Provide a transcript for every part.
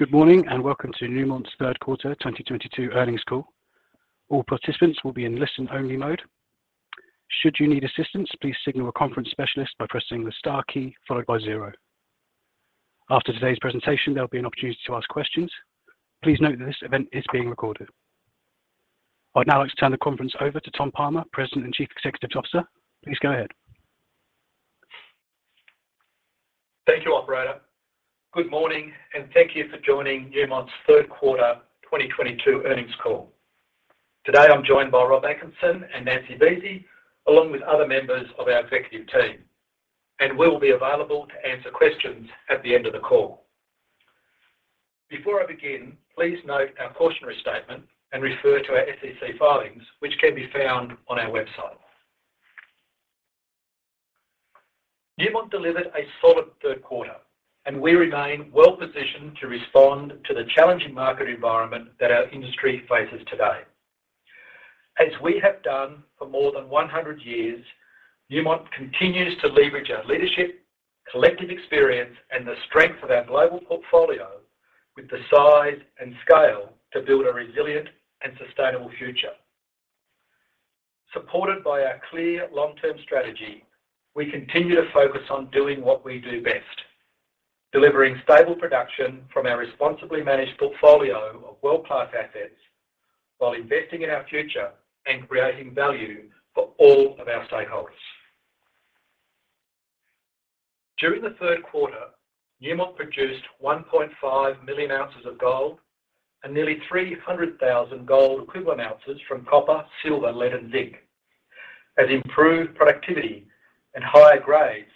Good morning and welcome to Newmont's third quarter 2022 earnings call. All participants will be in listen only mode. Should you need assistance, please signal a conference specialist by pressing the star key followed by zero. After today's presentation, there'll be an opportunity to ask questions. Please note that this event is being recorded. I'd now like to turn the conference over to Tom Palmer, President and Chief Executive Officer. Please go ahead. Thank you, operator. Good morning, and thank you for joining Newmont's third quarter 2022 earnings call. Today, I'm joined by Rob Atkinson and Nancy Buese, along with other members of our executive team, and we will be available to answer questions at the end of the call. Before I begin, please note our cautionary statement and refer to our SEC filings, which can be found on our website. Newmont delivered a solid third quarter, and we remain well-positioned to respond to the challenging market environment that our industry faces today. As we have done for more than 100 years, Newmont continues to leverage our leadership, collective experience, and the strength of our global portfolio with the size and scale to build a resilient and sustainable future. Supported by our clear long-term strategy, we continue to focus on doing what we do best, delivering stable production from our responsibly managed portfolio of world-class assets while investing in our future and creating value for all of our stakeholders. During the third quarter, Newmont produced 1.5 million ounces of gold and nearly 300,000 gold equivalent ounces from copper, silver, lead, and zinc. With improved productivity and higher grades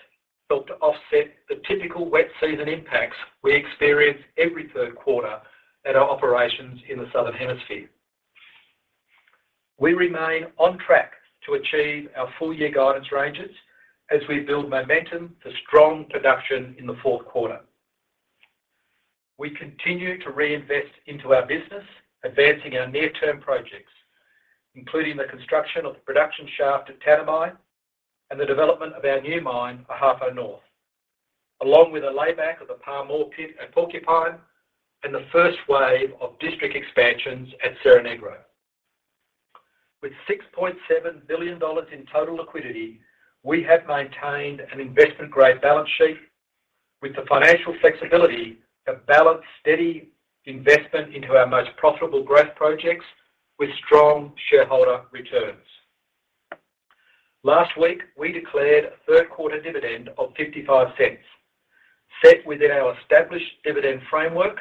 helped to offset the typical wet season impacts we experience every third quarter at our operations in the Southern Hemisphere. We remain on track to achieve our full-year guidance ranges as we build momentum for strong production in the fourth quarter. We continue to reinvest into our business, advancing our near-term projects, including the construction of the production shaft at Tanami, and the development of our new mine, Ahafo North, along with a layback of the Pamour pit at Porcupine and the first wave of district expansions at Cerro Negro. With $6.7 billion in total liquidity, we have maintained an investment-grade balance sheet with the financial flexibility to balance steady investment into our most profitable growth projects with strong shareholder returns. Last week, we declared a third-quarter dividend of $0.55, set within our established dividend framework,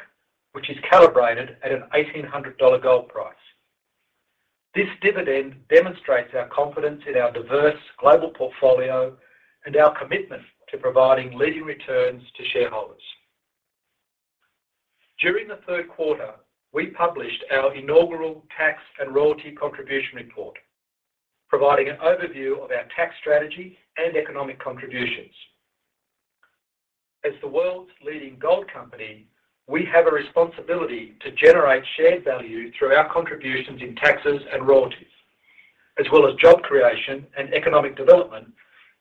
which is calibrated at a $1,800 gold price. This dividend demonstrates our confidence in our diverse global portfolio and our commitment to providing leading returns to shareholders. During the third quarter, we published our inaugural tax and royalty contribution report, providing an overview of our tax strategy and economic contributions. As the world's leading gold company, we have a responsibility to generate shared value through our contributions in taxes and royalties, as well as job creation and economic development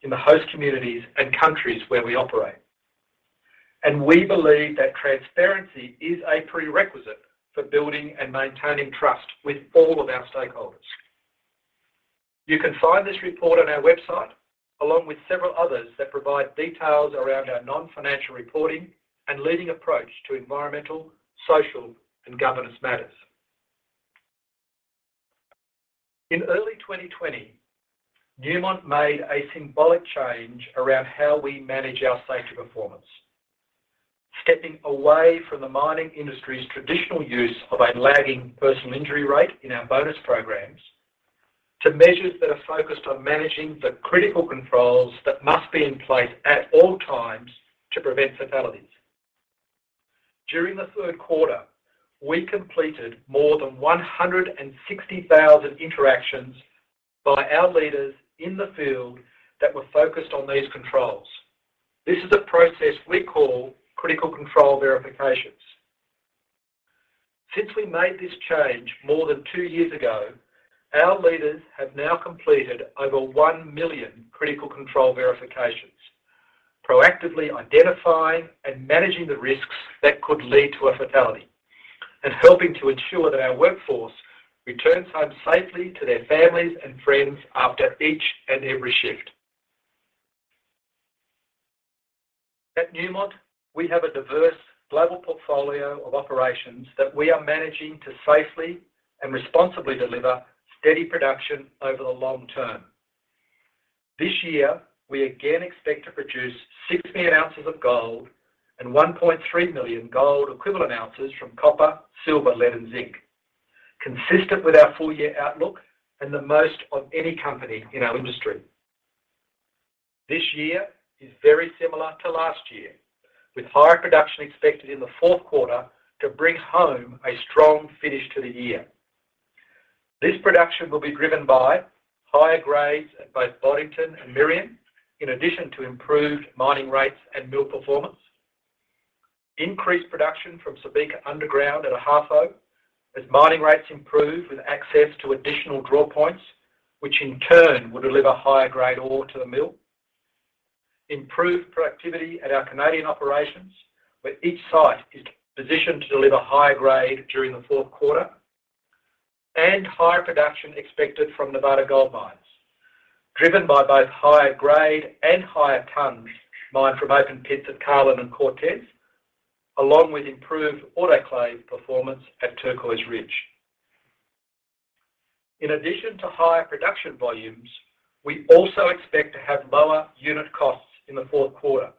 in the host communities and countries where we operate. We believe that transparency is a prerequisite for building and maintaining trust with all of our stakeholders. You can find this report on our website, along with several others that provide details around our non-financial reporting and leading approach to environmental, social, and governance matters. In early 2020, Newmont made a symbolic change around how we manage our safety performance, stepping away from the mining industry's traditional use of a lagging personal injury rate in our bonus programs to measures that are focused on managing the critical controls that must be in place at all times to prevent fatalities. During the third quarter, we completed more than 160,000 interactions by our leaders in the field that were focused on these controls. This is a process we call Critical Control Verifications. Since we made this change more than two years ago, our leaders have now completed over one million Critical Control Verifications, proactively identifying and managing the risks that could lead to a fatality and helping to ensure that our workforce returns home safely to their families and friends after each and every shift. At Newmont, we have a diverse global portfolio of operations that we are managing to safely and responsibly deliver steady production over the long term. This year, we again expect to produce 60 million ounces of gold and 1.3 million gold equivalent ounces from copper, silver, lead, and zinc, consistent with our full-year outlook and the most of any company in our industry. This year is very similar to last year, with higher production expected in the fourth quarter to bring home a strong finish to the year. This production will be driven by higher grades at both Boddington and Merian, in addition to improved mining rates and mill performance. Increased production from Subika underground at Ahafo as mining rates improve with access to additional draw points, which in turn will deliver higher-grade ore to the mill. Improved productivity at our Canadian operations, where each site is positioned to deliver high grade during the fourth quarter and higher production expected from Nevada Gold Mines, driven by both higher grade and higher tons mined from open pits at Carlin and Cortez, along with improved autoclave performance at Turquoise Ridge. In addition to higher production volumes, we also expect to have lower unit costs in the fourth quarter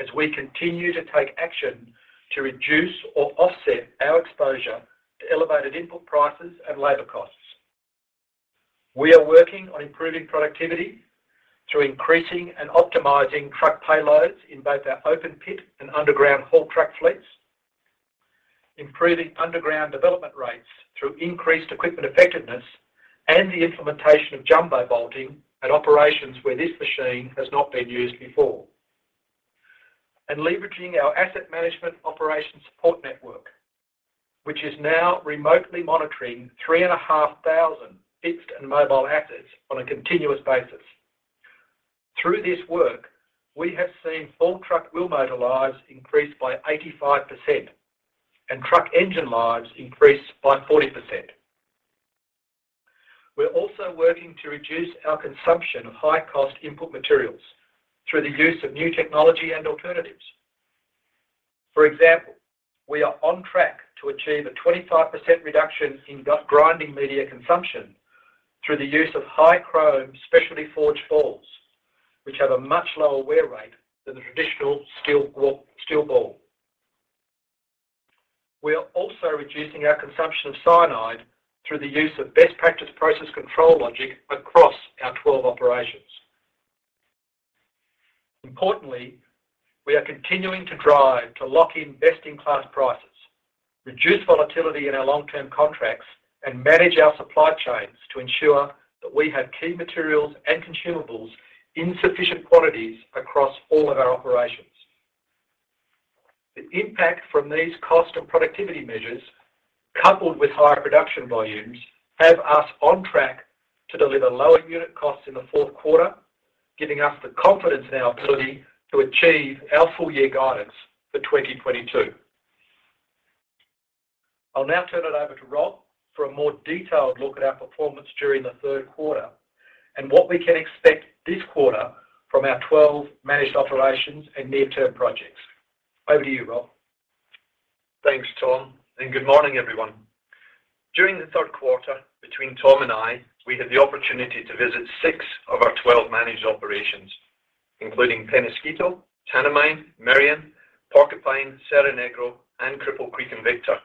as we continue to take action to reduce or offset our exposure to elevated input prices and labor costs. We are working on improving productivity through increasing and optimizing truck payloads in both our open pit and underground haul truck fleets. Improving underground development rates through increased equipment effectiveness and the implementation of jumbo bolting at operations where this machine has not been used before. Leveraging our asset management operations support network, which is now remotely monitoring 3,500 fixed and mobile assets on a continuous basis. Through this work, we have seen full truck wheel motor lives increase by 85% and truck engine lives increase by 40%. We're also working to reduce our consumption of high cost input materials through the use of new technology and alternatives. For example, we are on track to achieve a 25% reduction in grinding media consumption through the use of high chrome specialty forged balls, which have a much lower wear rate than the traditional steel ball. We are also reducing our consumption of cyanide through the use of best practice process control logic across our 12 operations. Importantly, we are continuing to drive to lock in best-in-class prices, reduce volatility in our long-term contracts, and manage our supply chains to ensure that we have key materials and consumables in sufficient quantities across all of our operations. The impact from these cost and productivity measures, coupled with higher production volumes, have us on track to deliver lower unit costs in the fourth quarter, giving us the confidence in our ability to achieve our full year guidance for 2022. I'll now turn it over to Rob for a more detailed look at our performance during the third quarter and what we can expect this quarter from our 12 managed operations and near-term projects. Over to you, Rob. Thanks, Tom, and good morning, everyone. During the third quarter, between Tom and I, we had the opportunity to visit six of our 12 managed operations, including Peñasquito, Tanami, Merian, Porcupine, Cerro Negro, and Cripple Creek and Victor.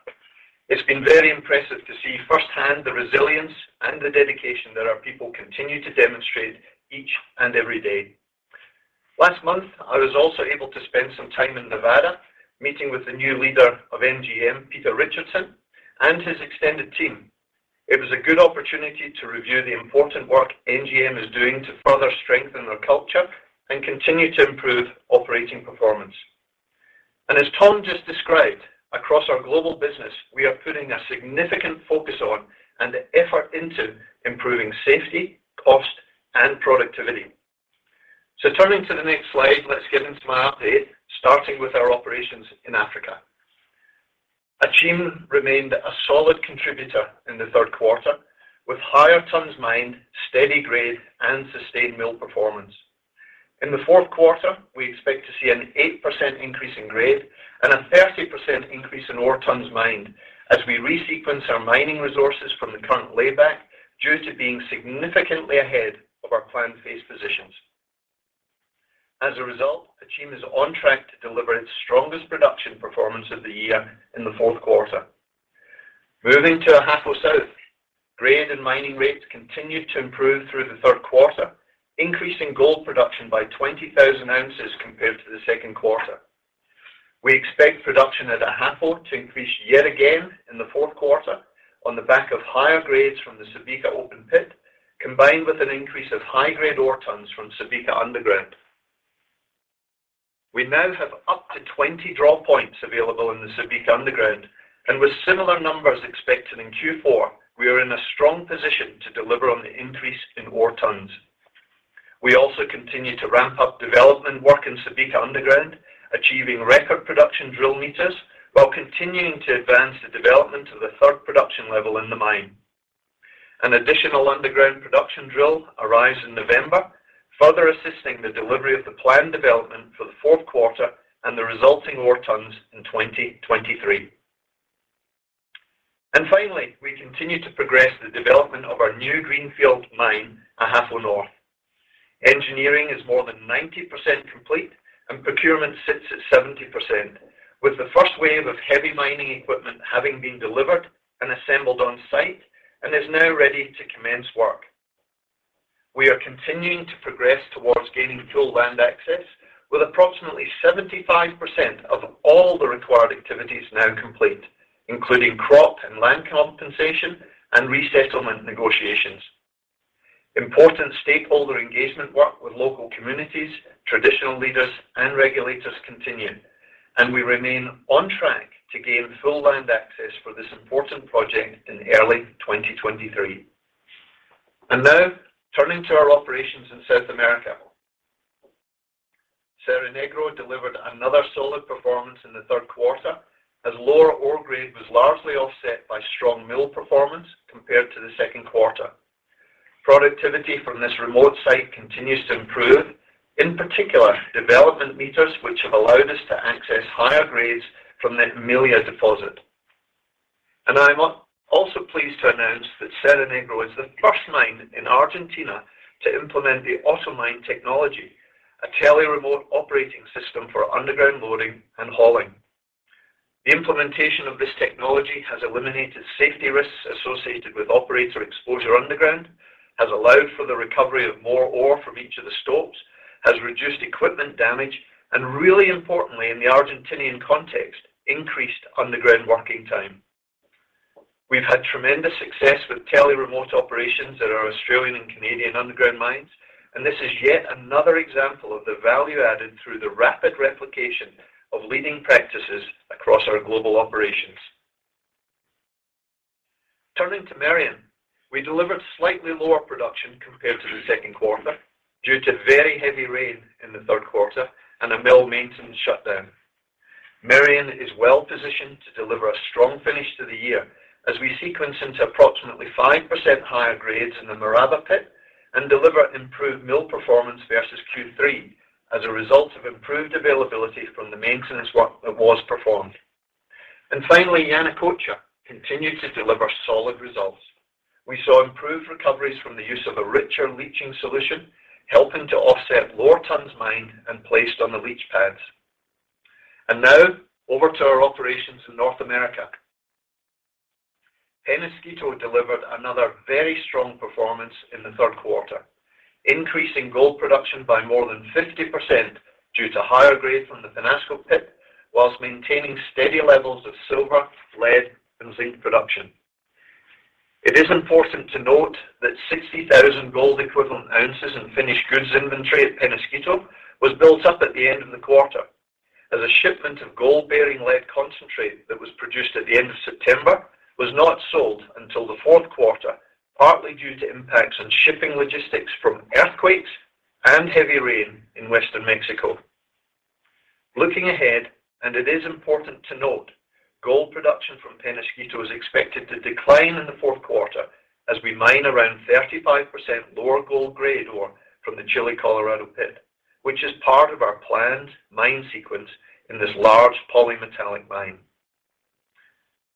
It's been very impressive to see firsthand the resilience and the dedication that our people continue to demonstrate each and every day. Last month, I was also able to spend some time in Nevada meeting with the new leader of NGM, Peter Richardson, and his extended team. It was a good opportunity to review the important work NGM is doing to further strengthen their culture and continue to improve operating performance. As Tom just described, across our global business, we are putting a significant focus on and effort into improving safety, cost, and productivity. Turning to the next slide, let's get into my update, starting with our operations in Africa. Akyem remained a solid contributor in the third quarter with higher tons mined, steady grade, and sustained mill performance. In the fourth quarter, we expect to see an 8% increase in grade and a 30% increase in ore tons mined as we resequence our mining resources from the current layback due to being significantly ahead of our planned phase positions. As a result, Akyem is on track to deliver its strongest production performance of the year in the fourth quarter. Moving to Ahafo South. Grade and mining rates continued to improve through the third quarter, increasing gold production by 20,000 ounces compared to the second quarter. We expect production at Ahafo to increase yet again in the fourth quarter on the back of higher grades from the Subika open pit, combined with an increase of high-grade ore tons from Subika underground. We now have up to 20 draw points available in the Subika underground, and with similar numbers expected in Q4, we are in a strong position to deliver on the increase in ore tons. We also continue to ramp up development work in Subika underground, achieving record production drill meters while continuing to advance the development of the third production level in the mine. An additional underground production drill arrives in November, further assisting the delivery of the planned development for the fourth quarter and the resulting ore tons in 2023. Finally, we continue to progress the development of our new greenfield mine, Ahafo North. Engineering is more than 90% complete and procurement sits at 70%, with the first wave of heavy mining equipment having been delivered and assembled on-site and is now ready to commence work. We are continuing to progress towards gaining full land access with approximately 75% of all the required activities now complete, including crop and land compensation and resettlement negotiations. Important stakeholder engagement work with local communities, traditional leaders, and regulators continue, and we remain on track to gain full land access for this important project in early 2023. Now turning to our operations in South America. Cerro Negro delivered another solid performance in the third quarter, as lower ore grade was largely offset by strong mill performance compared to the second quarter. Productivity from this remote site continues to improve, in particular, development meters, which have allowed us to access higher grades from the Emilia deposit. I'm also pleased to announce that Cerro Negro is the first mine in Argentina to implement the AutoMine technology, a tele-remote operating system for underground loading and hauling. The implementation of this technology has eliminated safety risks associated with operator exposure underground, has allowed for the recovery of more ore from each of the stopes, has reduced equipment damage, and really importantly in the Argentinian context, increased underground working time. We've had tremendous success with tele-remote operations at our Australian and Canadian underground mines, and this is yet another example of the value added through the rapid replication of leading practices across our global operations. Turning to Merian, we delivered slightly lower production compared to the second quarter due to very heavy rain in the third quarter and a mill maintenance shutdown. Merian is well-positioned to deliver a strong finish to the year as we sequence into approximately 5% higher grades in the Maraba pit and deliver improved mill performance versus Q3 as a result of improved availability from the maintenance work that was performed. Finally, Yanacocha continued to deliver solid results. We saw improved recoveries from the use of a richer leaching solution, helping to offset lower tons mined and placed on the leach pads. Now over to our operations in North America. Peñasquito delivered another very strong performance in the third quarter, increasing gold production by more than 50% due to higher grade from the Peñasquito pit, while maintaining steady levels of silver, lead, and zinc production. It is important to note that 60,000 gold equivalent ounces in finished goods inventory at Peñasquito was built up at the end of the quarter, as a shipment of gold-bearing lead concentrate that was produced at the end of September was not sold until the fourth quarter, partly due to impacts on shipping logistics from earthquakes and heavy rain in Western Mexico. Looking ahead, and it is important to note, gold production from Peñasquito is expected to decline in the fourth quarter as we mine around 35% lower gold grade ore from the Chile Colorado pit, which is part of our planned mine sequence in this large polymetallic mine.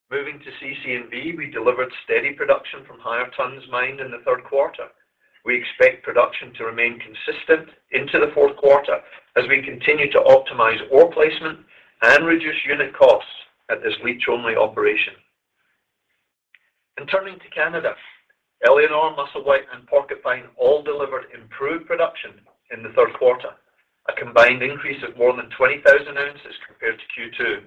Moving to CC&V, we delivered steady production from higher tons mined in the third quarter. We expect production to remain consistent into the fourth quarter as we continue to optimize ore placement and reduce unit costs at this leach-only operation. Turning to Canada, Éléonore, Musselwhite, and Porcupine all delivered improved production in the third quarter, a combined increase of more than 20,000 ounces compared to Q2.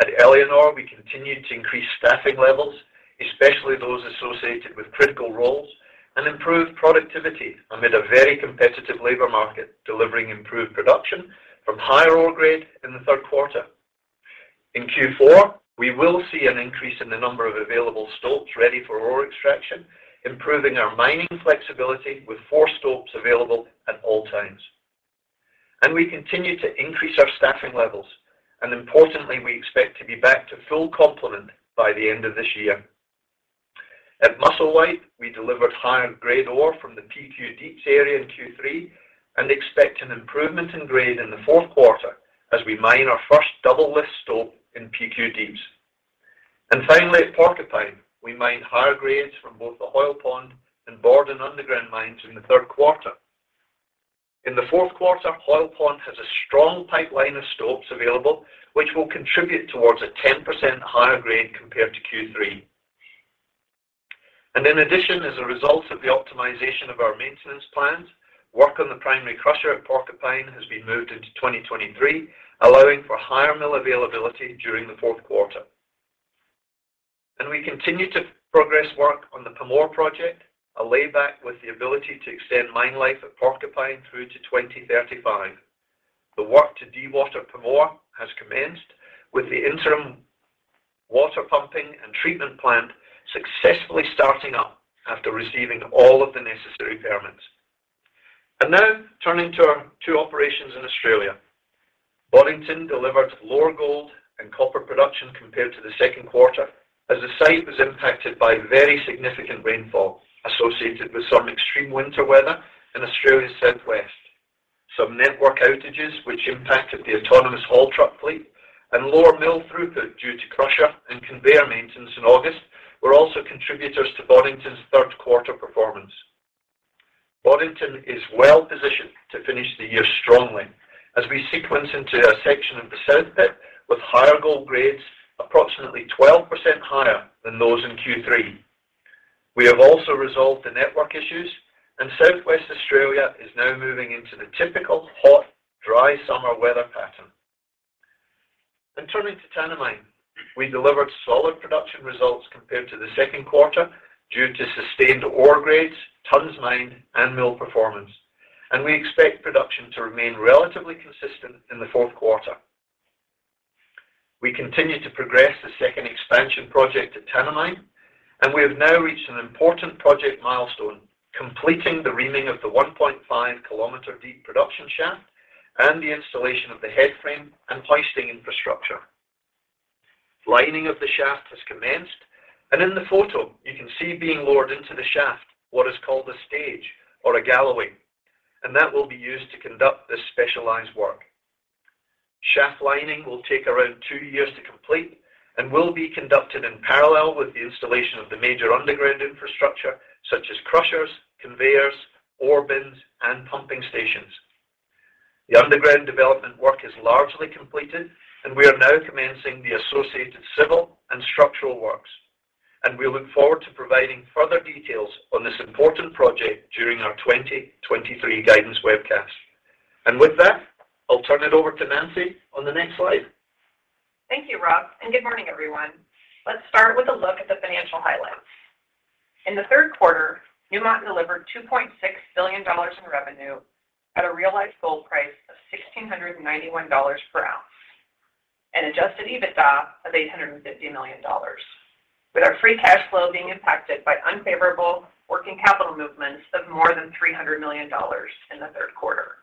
At Éléonore, we continued to increase staffing levels, especially those associated with critical roles and improved productivity amid a very competitive labor market, delivering improved production from higher ore grade in the third quarter. In Q4, we will see an increase in the number of available stopes ready for ore extraction, improving our mining flexibility with four stopes available at all times. We continue to increase our staffing levels, and importantly, we expect to be back to full complement by the end of this year. At Musselwhite, we delivered higher-grade ore from the PQ Deeps area in Q3 and expect an improvement in grade in the fourth quarter as we mine our first double lift stope in PQ Deeps. Finally, at Porcupine, we mined higher grades from both the Hoyle Pond and Borden underground mines in the third quarter. In the fourth quarter, Hoyle Pond has a strong pipeline of stopes available, which will contribute towards a 10% higher grade compared to Q3. In addition, as a result of the optimization of our maintenance plans, work on the primary crusher at Porcupine has been moved into 2023, allowing for higher mill availability during the fourth quarter. We continue to progress work on the Pamour project, a layback with the ability to extend mine life at Porcupine through to 2035. The work to dewater Pamour has commenced, with the interim water pumping and treatment plant successfully starting up after receiving all of the necessary permits. Now turning to our two operations in Australia. Boddington delivered lower gold and copper production compared to the second quarter as the site was impacted by very significant rainfall associated with some extreme winter weather in Australia's southwest. Some network outages which impacted the autonomous haul truck fleet and lower mill throughput due to crusher and conveyor maintenance in August were also contributors to Boddington's third-quarter performance. Boddington is well positioned to finish the year strongly as we sequence into a section of the South Pit with higher gold grades, approximately 12% higher than those in Q3. We have also resolved the network issues, and South West Australia is now moving into the typical hot, dry summer weather pattern. Turning to Tanami, we delivered solid production results compared to the second quarter due to sustained ore grades, tons mined, and mill performance. We expect production to remain relatively consistent in the fourth quarter. We continue to progress the second expansion project at Tanami, and we have now reached an important project milestone, completing the reaming of the 1.5 km-deep production shaft and the installation of the head frame and hoisting infrastructure. Lining of the shaft has commenced, and in the photo, you can see being lowered into the shaft what is called a stage or a galloway, and that will be used to conduct this specialized work. Shaft lining will take around two years to complete and will be conducted in parallel with the installation of the major underground infrastructure such as crushers, conveyors, ore bins, and pumping stations. The underground development work is largely completed and we are now commencing the associated civil and structural works. We look forward to providing further details on this important project during our 2023 guidance webcast. With that, I'll turn it over to Nancy on the next slide. Thank you, Rob, and good morning, everyone. Let's start with a look at the financial highlights. In the third quarter, Newmont delivered $2.6 billion in revenue at a realized gold price of $1,691 per ounce and adjusted EBITDA of $850 million, with our free cash flow being impacted by unfavorable working capital movements of more than $300 million in the third quarter.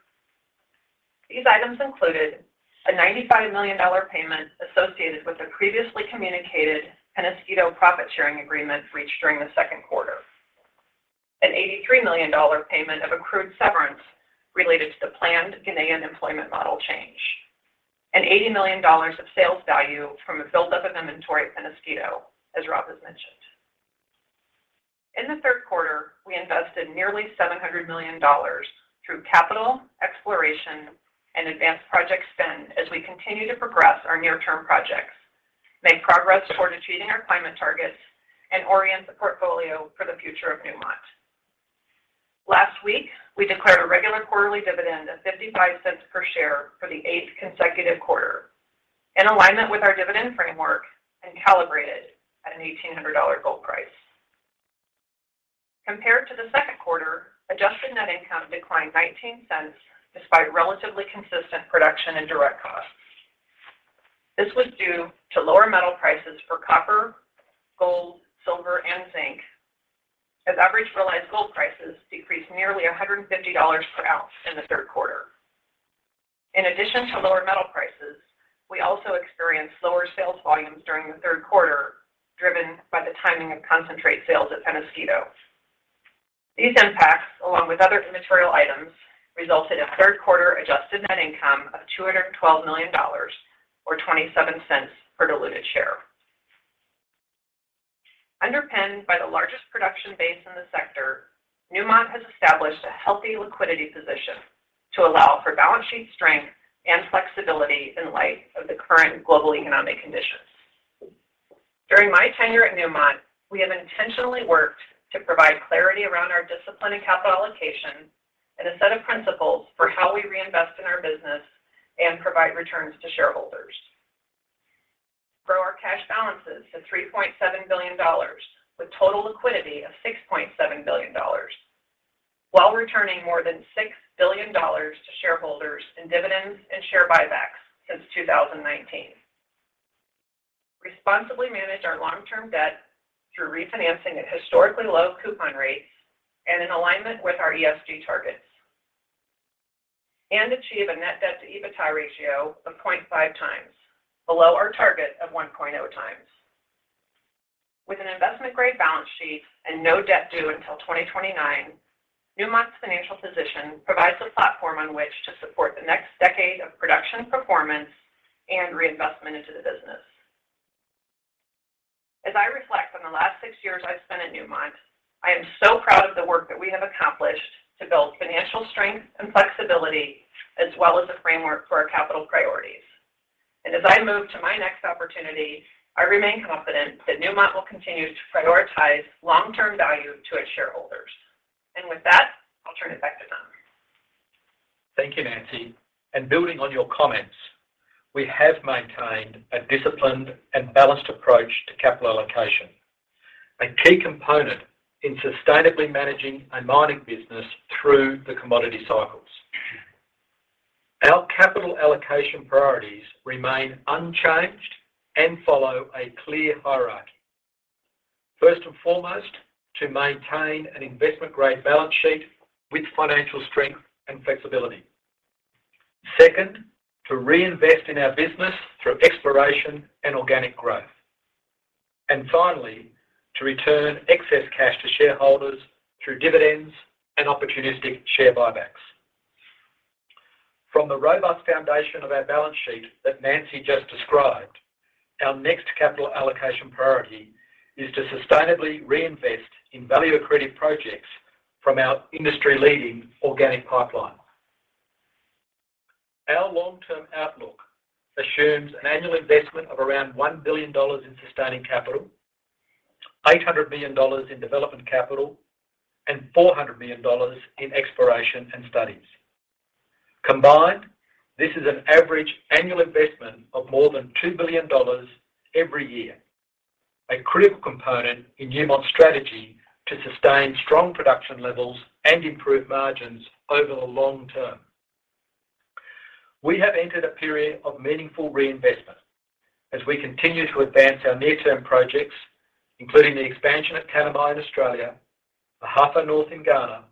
These items included a $95 million payment associated with the previously communicated Peñasquito profit sharing agreement reached during the second quarter, an $83 million payment of accrued severance related to the planned Canadian employment model change, and $80 million of sales value from a buildup of inventory at Peñasquito, as Rob has mentioned. In the third quarter, we invested nearly $700 million through capital, exploration and advanced project spend as we continue to progress our near term projects, make progress toward achieving our climate targets and orient the portfolio for the future of Newmont. Last week, we declared a regular quarterly dividend of $0.55 per share for the eighth consecutive quarter in alignment with our dividend framework and calibrated at an $1,800 gold price. Compared to the second quarter, adjusted net income declined $0.19 despite relatively consistent production and direct costs. This was due to lower metal prices for copper, gold, silver and zinc as average realized gold prices decreased nearly $150 per ounce in the third quarter. In addition to lower metal prices, we also experienced lower sales volumes during the third quarter, driven by the timing of concentrate sales at Peñasquito. These impacts, along with other immaterial items, resulted in third quarter adjusted net income of $212 million or $0.27 per diluted share. Underpinned by the largest production base in the sector, Newmont has established a healthy liquidity position to allow for balance sheet strength and flexibility in light of the current global economic conditions. During my tenure at Newmont, we have intentionally worked to provide clarity around our discipline and capital allocation and a set of principles for how we reinvest in our business and provide returns to shareholders. Grow our cash balances to $3.7 billion with total liquidity of $6.7 billion while returning more than $6 billion to shareholders in dividends and share buybacks since 2019. Responsibly manage our long term debt through refinancing at historically low coupon rates and in alignment with our ESG targets. Achieve a net debt to EBITDA ratio of 0.5 times, below our target of 1.0 times. With an investment grade balance sheet and no debt due until 2029, Newmont's financial position provides a platform on which to support the next decade of production performance and reinvestment into the business. As I reflect on the last six years I've spent at Newmont, I am so proud of the work that we have accomplished to build financial strength and flexibility, as well as a framework for our capital priorities. As I move to my next opportunity, I remain confident that Newmont will continue to prioritize long-term value to its shareholders. With that, I'll turn it back to Tom. Thank you, Nancy. Building on your comments, we have maintained a disciplined and balanced approach to capital allocation, a key component in sustainably managing a mining business through the commodity cycles. Our capital allocation priorities remain unchanged and follow a clear hierarchy. First and foremost, to maintain an investment-grade balance sheet with financial strength and flexibility. Second, to reinvest in our business through exploration and organic growth. And finally, to return excess cash to shareholders through dividends and opportunistic share buybacks. From the robust foundation of our balance sheet that Nancy just described, our next capital allocation priority is to sustainably reinvest in value-accretive projects from our industry-leading organic pipeline. Our long-term outlook assumes an annual investment of around $1 billion in sustaining capital, $800 million in development capital, and $400 million in exploration and studies. Combined, this is an average annual investment of more than $2 billion every year. A critical component in Newmont's strategy to sustain strong production levels and improve margins over the long term. We have entered a period of meaningful reinvestment as we continue to advance our near-term projects, including the expansion at Tanami in Australia, Ahafo North in Ghana,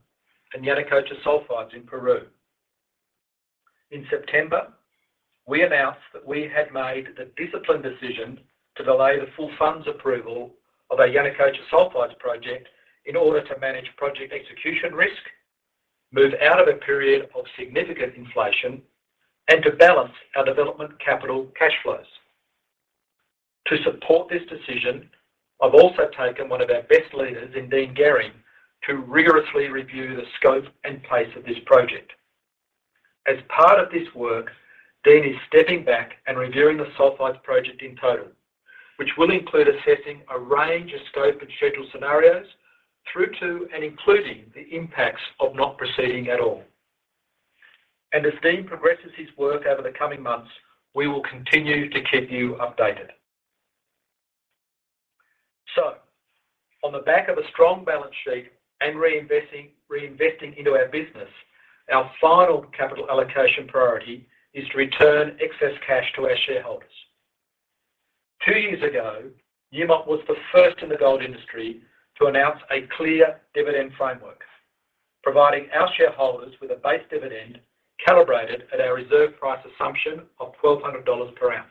and Yanacocha Sulfides in Peru. In September, we announced that we had made the disciplined decision to delay the full funds approval of our Yanacocha Sulfides project in order to manage project execution risk, move out of a period of significant inflation, and to balance our development capital cash flows. To support this decision, I've also taken one of our best leaders, Dean Gehring, to rigorously review the scope and pace of this project. As part of this work, Dean is stepping back and reviewing the Sulfides project in total, which will include assessing a range of scope and schedule scenarios through to and including the impacts of not proceeding at all. As Dean progresses his work over the coming months, we will continue to keep you updated. On the back of a strong balance sheet and reinvesting into our business, our final capital allocation priority is to return excess cash to our shareholders. Two years ago, Newmont was the first in the gold industry to announce a clear dividend framework, providing our shareholders with a base dividend calibrated at our reserve price assumption of $1,200 per ounce.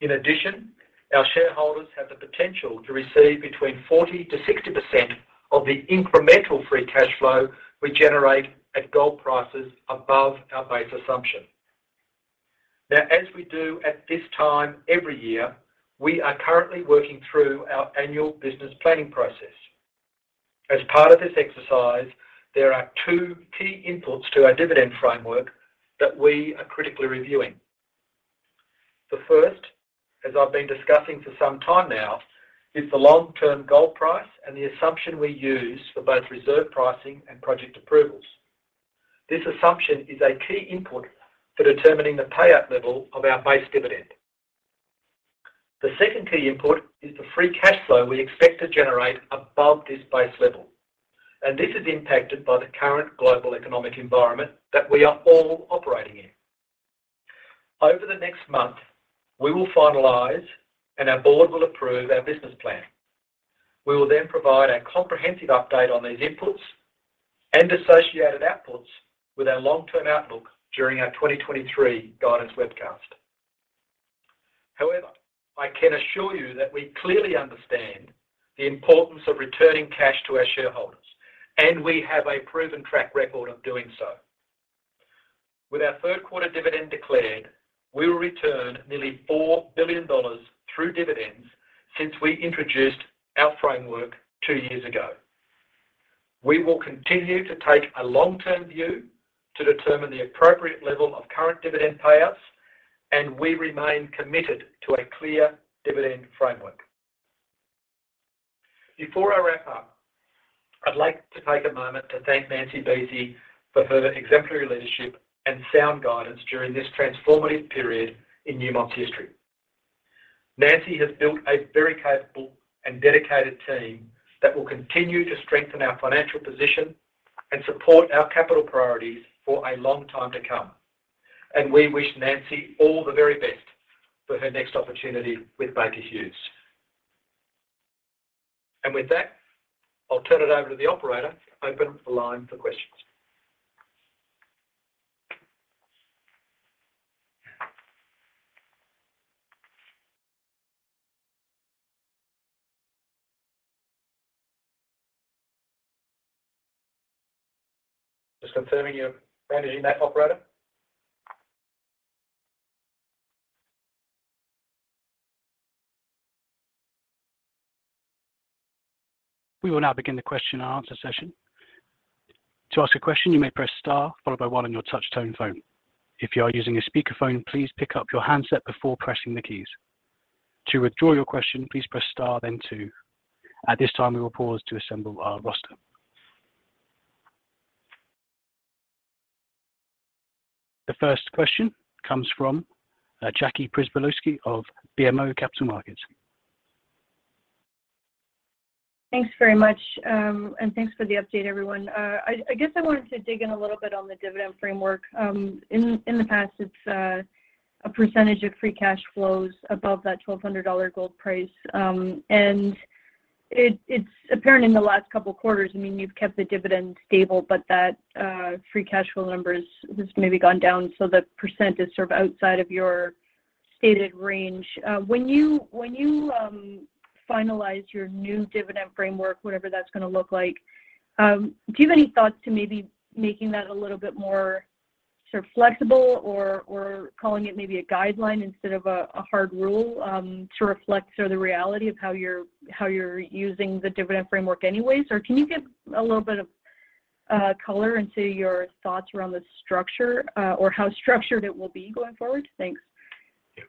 In addition, our shareholders have the potential to receive between 40%-60% of the incremental free cash flow we generate at gold prices above our base assumption. Now, as we do at this time every year, we are currently working through our annual business planning process. As part of this exercise, there are two key inputs to our dividend framework that we are critically reviewing. The first, as I've been discussing for some time now, is the long-term gold price and the assumption we use for both reserve pricing and project approvals. This assumption is a key input for determining the payout level of our base dividend. The second key input is the free cash flow we expect to generate above this base level, and this is impacted by the current global economic environment that we are all operating in. Over the next month, we will finalize and our board will approve our business plan. We will then provide a comprehensive update on these inputs and associated outputs with our long-term outlook during our 2023 guidance webcast. However, I can assure you that we clearly understand the importance of returning cash to our shareholders, and we have a proven track record of doing so. With our third-quarter dividend declared, we will return nearly $4 billion through dividends since we introduced our framework two years ago. We will continue to take a long-term view to determine the appropriate level of current dividend payouts, and we remain committed to a clear dividend framework. Before I wrap up, I'd like to take a moment to thank Nancy Buese for her exemplary leadership and sound guidance during this transformative period in Newmont's history. Nancy has built a very capable and dedicated team that will continue to strengthen our financial position and support our capital priorities for a long time to come. We wish Nancy all the very best for her next opportunity with Baker Hughes. With that, I'll turn it over to the operator to open the line for questions. Just confirming you're managing that, operator. We will now begin the question and answer session. To ask a question, you may press star followed by one on your touch-tone phone. If you are using a speakerphone, please pick up your handset before pressing the keys. To withdraw your question, please press star then two. At this time, we will pause to assemble our roster. The first question comes from Jackie Przybylowski of BMO Capital Markets. Thanks very much, and thanks for the update, everyone. I guess I wanted to dig in a little bit on the dividend framework. In the past, it's a percentage of free cash flows above that $1,200 gold price. It's apparent in the last couple quarters, I mean, you've kept the dividend stable, but that free cash flow numbers has maybe gone down, so the percent is sort of outside of your stated range. When you finalize your new dividend framework, whatever that's gonna look like, do you have any thoughts to maybe making that a little bit more sort of flexible or calling it maybe a guideline instead of a hard rule to reflect sort of the reality of how you're using the dividend framework anyways? Can you give a little bit of color into your thoughts around the structure, or how structured it will be going forward? Thanks. Yeah.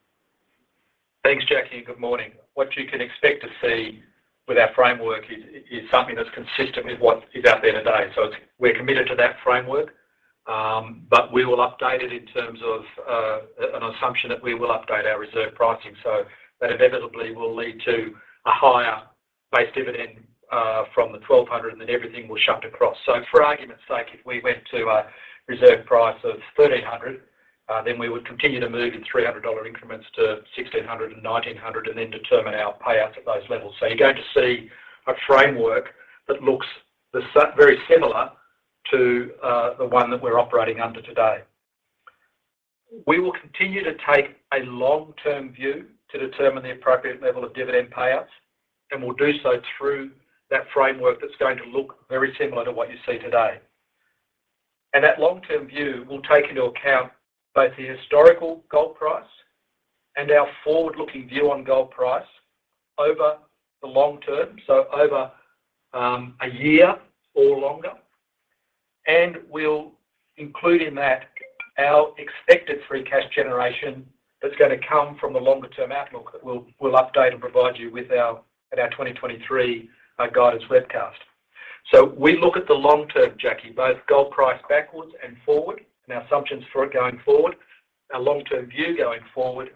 Thanks, Jackie. Good morning. What you can expect to see with our framework is something that's consistent with what is out there today. We're committed to that framework. We will update it in terms of an assumption that we will update our reserve pricing. That inevitably will lead to a higher base dividend from the $1,200, and then everything will shift across. For argument's sake, if we went to a reserve price of $1,300, then we would continue to move in $300 increments to $1,600 and $1,900 and then determine our payouts at those levels. You're going to see a framework that looks very similar to the one that we're operating under today. We will continue to take a long-term view to determine the appropriate level of dividend payouts, and we'll do so through that framework that's going to look very similar to what you see today. That long-term view will take into account both the historical gold price and our forward-looking view on gold price over the long term, so over a year or longer. We'll include in that our expected free cash generation that's gonna come from the longer-term outlook that we'll update and provide you with at our 2023 guidance webcast. We look at the long term, Jackie, both gold price backwards and forward and our assumptions for it going forward, our long-term view going forward,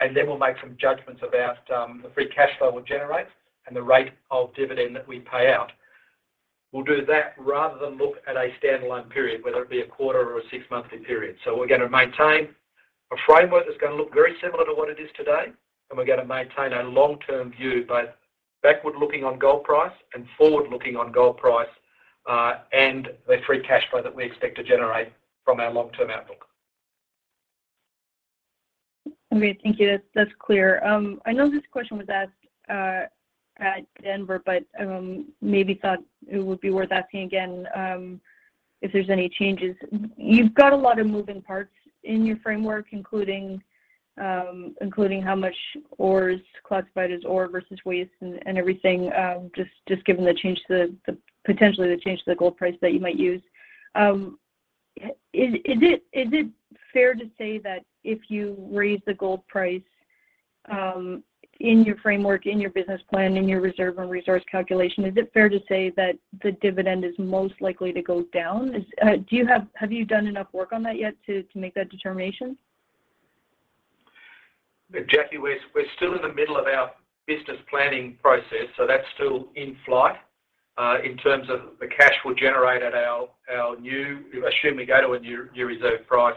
and then we'll make some judgments about the free cash flow we generate and the rate of dividend that we pay out. We'll do that rather than look at a standalone period, whether it be a quarter or a six-monthly period. We're gonna maintain a framework that's gonna look very similar to what it is today, and we're gonna maintain a long-term view, both backward-looking on gold price and forward-looking on gold price, and the free cash flow that we expect to generate from our long-term outlook. Great. Thank you. That's clear. I know this question was asked at Denver, but maybe thought it would be worth asking again, if there's any changes. You've got a lot of moving parts in your framework, including how much ore is classified as ore versus waste and everything, just given the potential change to the gold price that you might use. Is it fair to say that if you raise the gold price in your framework, in your business plan, in your reserve and resource calculation, that the dividend is most likely to go down? Have you done enough work on that yet to make that determination? Jackie, we're still in the middle of our business planning process, so that's still in flight, in terms of the cash we'll generate at our new, assuming we go to a new reserve price,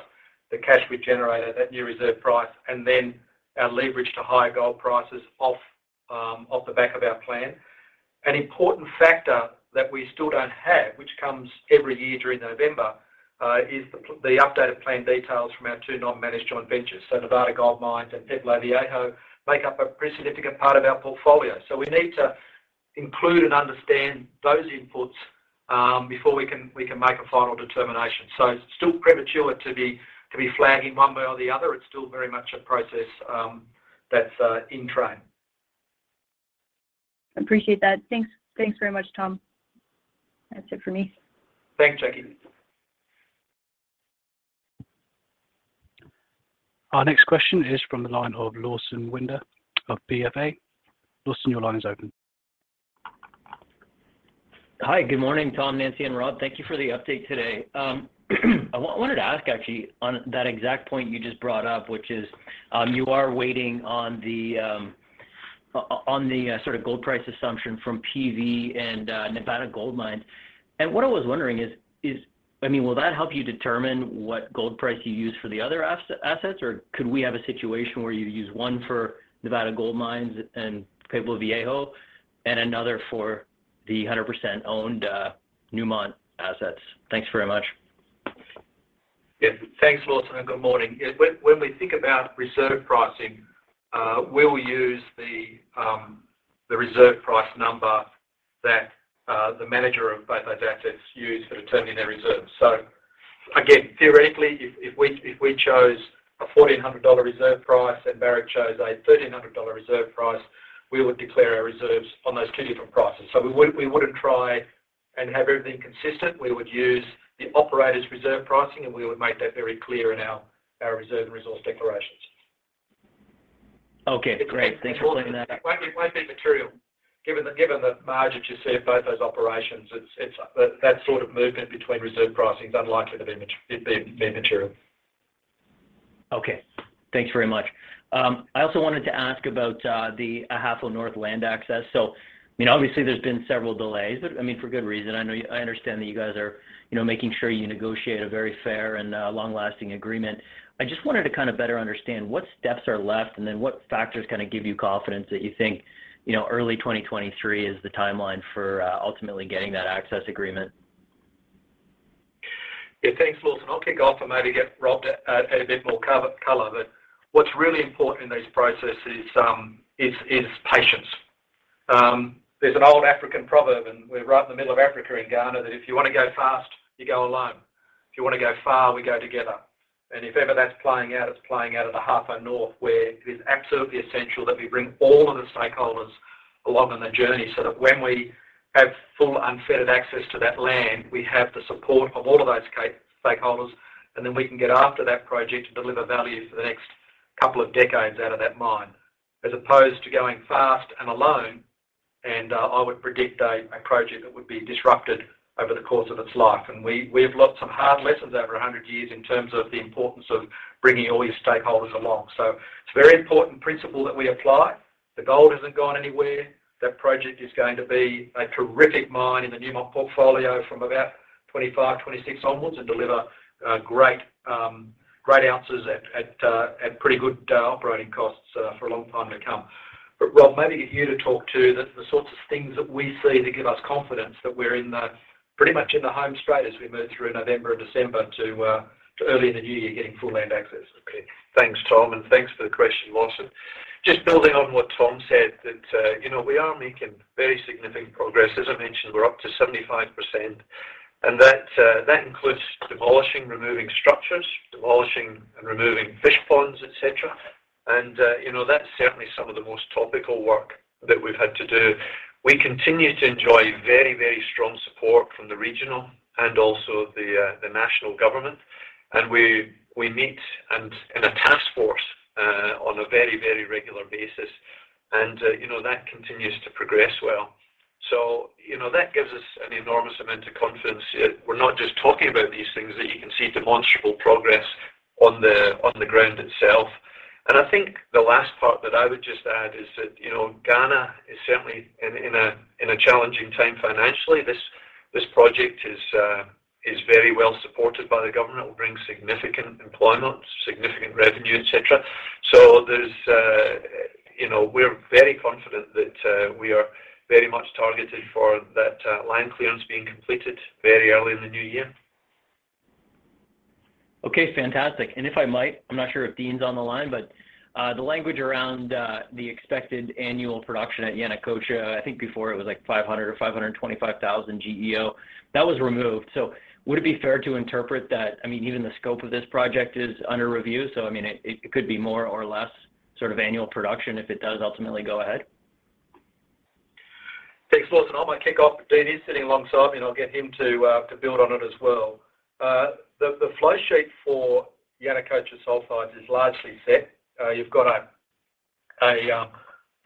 the cash we generate at that new reserve price, and then our leverage to higher gold prices off the back of our plan. An important factor that we still don't have, which comes every year during November, is the updated plan details from our two non-managed joint ventures. Nevada Gold Mines and Pueblo Viejo make up a pretty significant part of our portfolio. We need to include and understand those inputs, before we can make a final determination. It's still premature to be flagging one way or the other. It's still very much a process, that's in train. I appreciate that. Thanks. Thanks very much, Tom. That's it for me. Thanks, Jackie. Our next question is from the line of Lawson Winder of BFA. Lawson, your line is open. Hi. Good morning, Tom, Nancy, and Rob. Thank you for the update today. I wanted to ask actually on that exact point you just brought up, which is, you are waiting on the, on the, sort of gold price assumption from PV and Nevada Gold Mines. What I was wondering is, I mean, will that help you determine what gold price you use for the other assets, or could we have a situation where you use one for Nevada Gold Mines and Pueblo Viejo and another for the 100% owned, Newmont assets? Thanks very much. Yeah. Thanks, Lawson, and good morning. Yeah, when we think about reserve pricing, we will use the reserve price number that the manager of both those assets use for determining their reserves. Again, theoretically if we chose a $1,400 reserve price and Barrick chose a $1,300 reserve price, we would declare our reserves on those two different prices. We wouldn't try and have everything consistent. We would use the operator's reserve pricing, and we would make that very clear in our reserve and resource declarations. Okay, great. Thanks for clearing that up. It won't be material given the margin to see if both those operations, it's that sort of movement between reserve pricing is unlikely to be material. Okay. Thanks very much. I also wanted to ask about the Ahafo North land access. I mean, obviously there's been several delays, but I mean, for good reason. I know, I understand that you guys are, you know, making sure you negotiate a very fair and long-lasting agreement. I just wanted to kinda better understand what steps are left and then what factors kinda give you confidence that you think, you know, early 2023 is the timeline for ultimately getting that access agreement? Yeah. Thanks, Lawson. I'll kick off and maybe get Rob to add a bit more color. But what's really important in these processes is patience. There's an old African proverb, and we're right in the middle of Africa in Ghana, that if you wanna go fast, you go alone. If you wanna go far, we go together. If ever that's playing out, it's playing out at Ahafo North, where it is absolutely essential that we bring all of the stakeholders along on the journey so that when we have full unfettered access to that land, we have the support of all of those stakeholders, and then we can get after that project to deliver value for the next couple of decades out of that mine. As opposed to going fast and alone. I would predict a project that would be disrupted over the course of its life. We have learned some hard lessons over a hundred years in terms of the importance of bringing all your stakeholders along. It's a very important principle that we apply. The gold hasn't gone anywhere. That project is going to be a terrific mine in the Newmont portfolio from about 2025, 2026 onward and deliver great ounces at pretty good operating costs for a long time to come. Rob, maybe you to talk to the sorts of things that we see that give us confidence that we're pretty much in the home straight as we move through November, December to early in the new year, getting full land access. Okay. Thanks, Tom, and thanks for the question, Lawson. Just building on what Tom said, you know, we are making very significant progress. As I mentioned, we're up to 75%, and that includes demolishing, removing structures, demolishing and removing fish ponds, et cetera. You know, that's certainly some of the most topical work that we've had to do. We continue to enjoy very, very strong support from the regional and also the national government. We meet in a task force on a very, very regular basis. You know, that continues to progress well. You know, that gives us an enormous amount of confidence. We're not just talking about these things, that you can see demonstrable progress on the ground itself. I think the last part that I would just add is that, you know, Ghana is certainly in a challenging time financially. This project is very well supported by the government. It will bring significant employment, significant revenue, et cetera. There's, you know, we're very confident that we are very much targeted for that land clearance being completed very early in the new year. Okay, fantastic. If I might, I'm not sure if Dean's on the line, but the language around the expected annual production at Yanacocha, I think before it was like 500 or 525 thousand GEO, that was removed. Would it be fair to interpret that, I mean, even the scope of this project is under review, so I mean, it could be more or less sort of annual production if it does ultimately go ahead? Thanks, Lawson. I'm gonna kick off. Dean is sitting alongside me, and I'll get him to build on it as well. The flow sheet for Yanacocha Sulfides is largely set. You've got a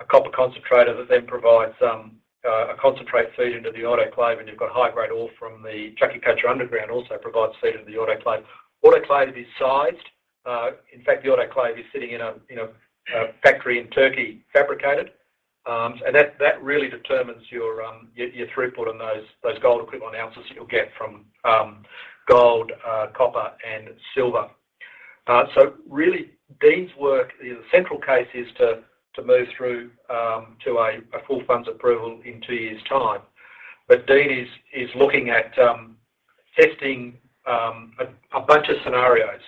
copper concentrator that then provides a concentrate feed into the autoclave, and you've got high-grade ore from the Chaquicocha Underground also provides feed into the autoclave. Autoclave is sized. In fact, the autoclave is sitting in a factory in Turkey, fabricated. And that really determines your throughput and those gold equivalent ounces you'll get from gold, copper and silver. Really Dean's work, the central case is to move through to a full funds approval in two years' time. Dean is looking at testing a bunch of scenarios.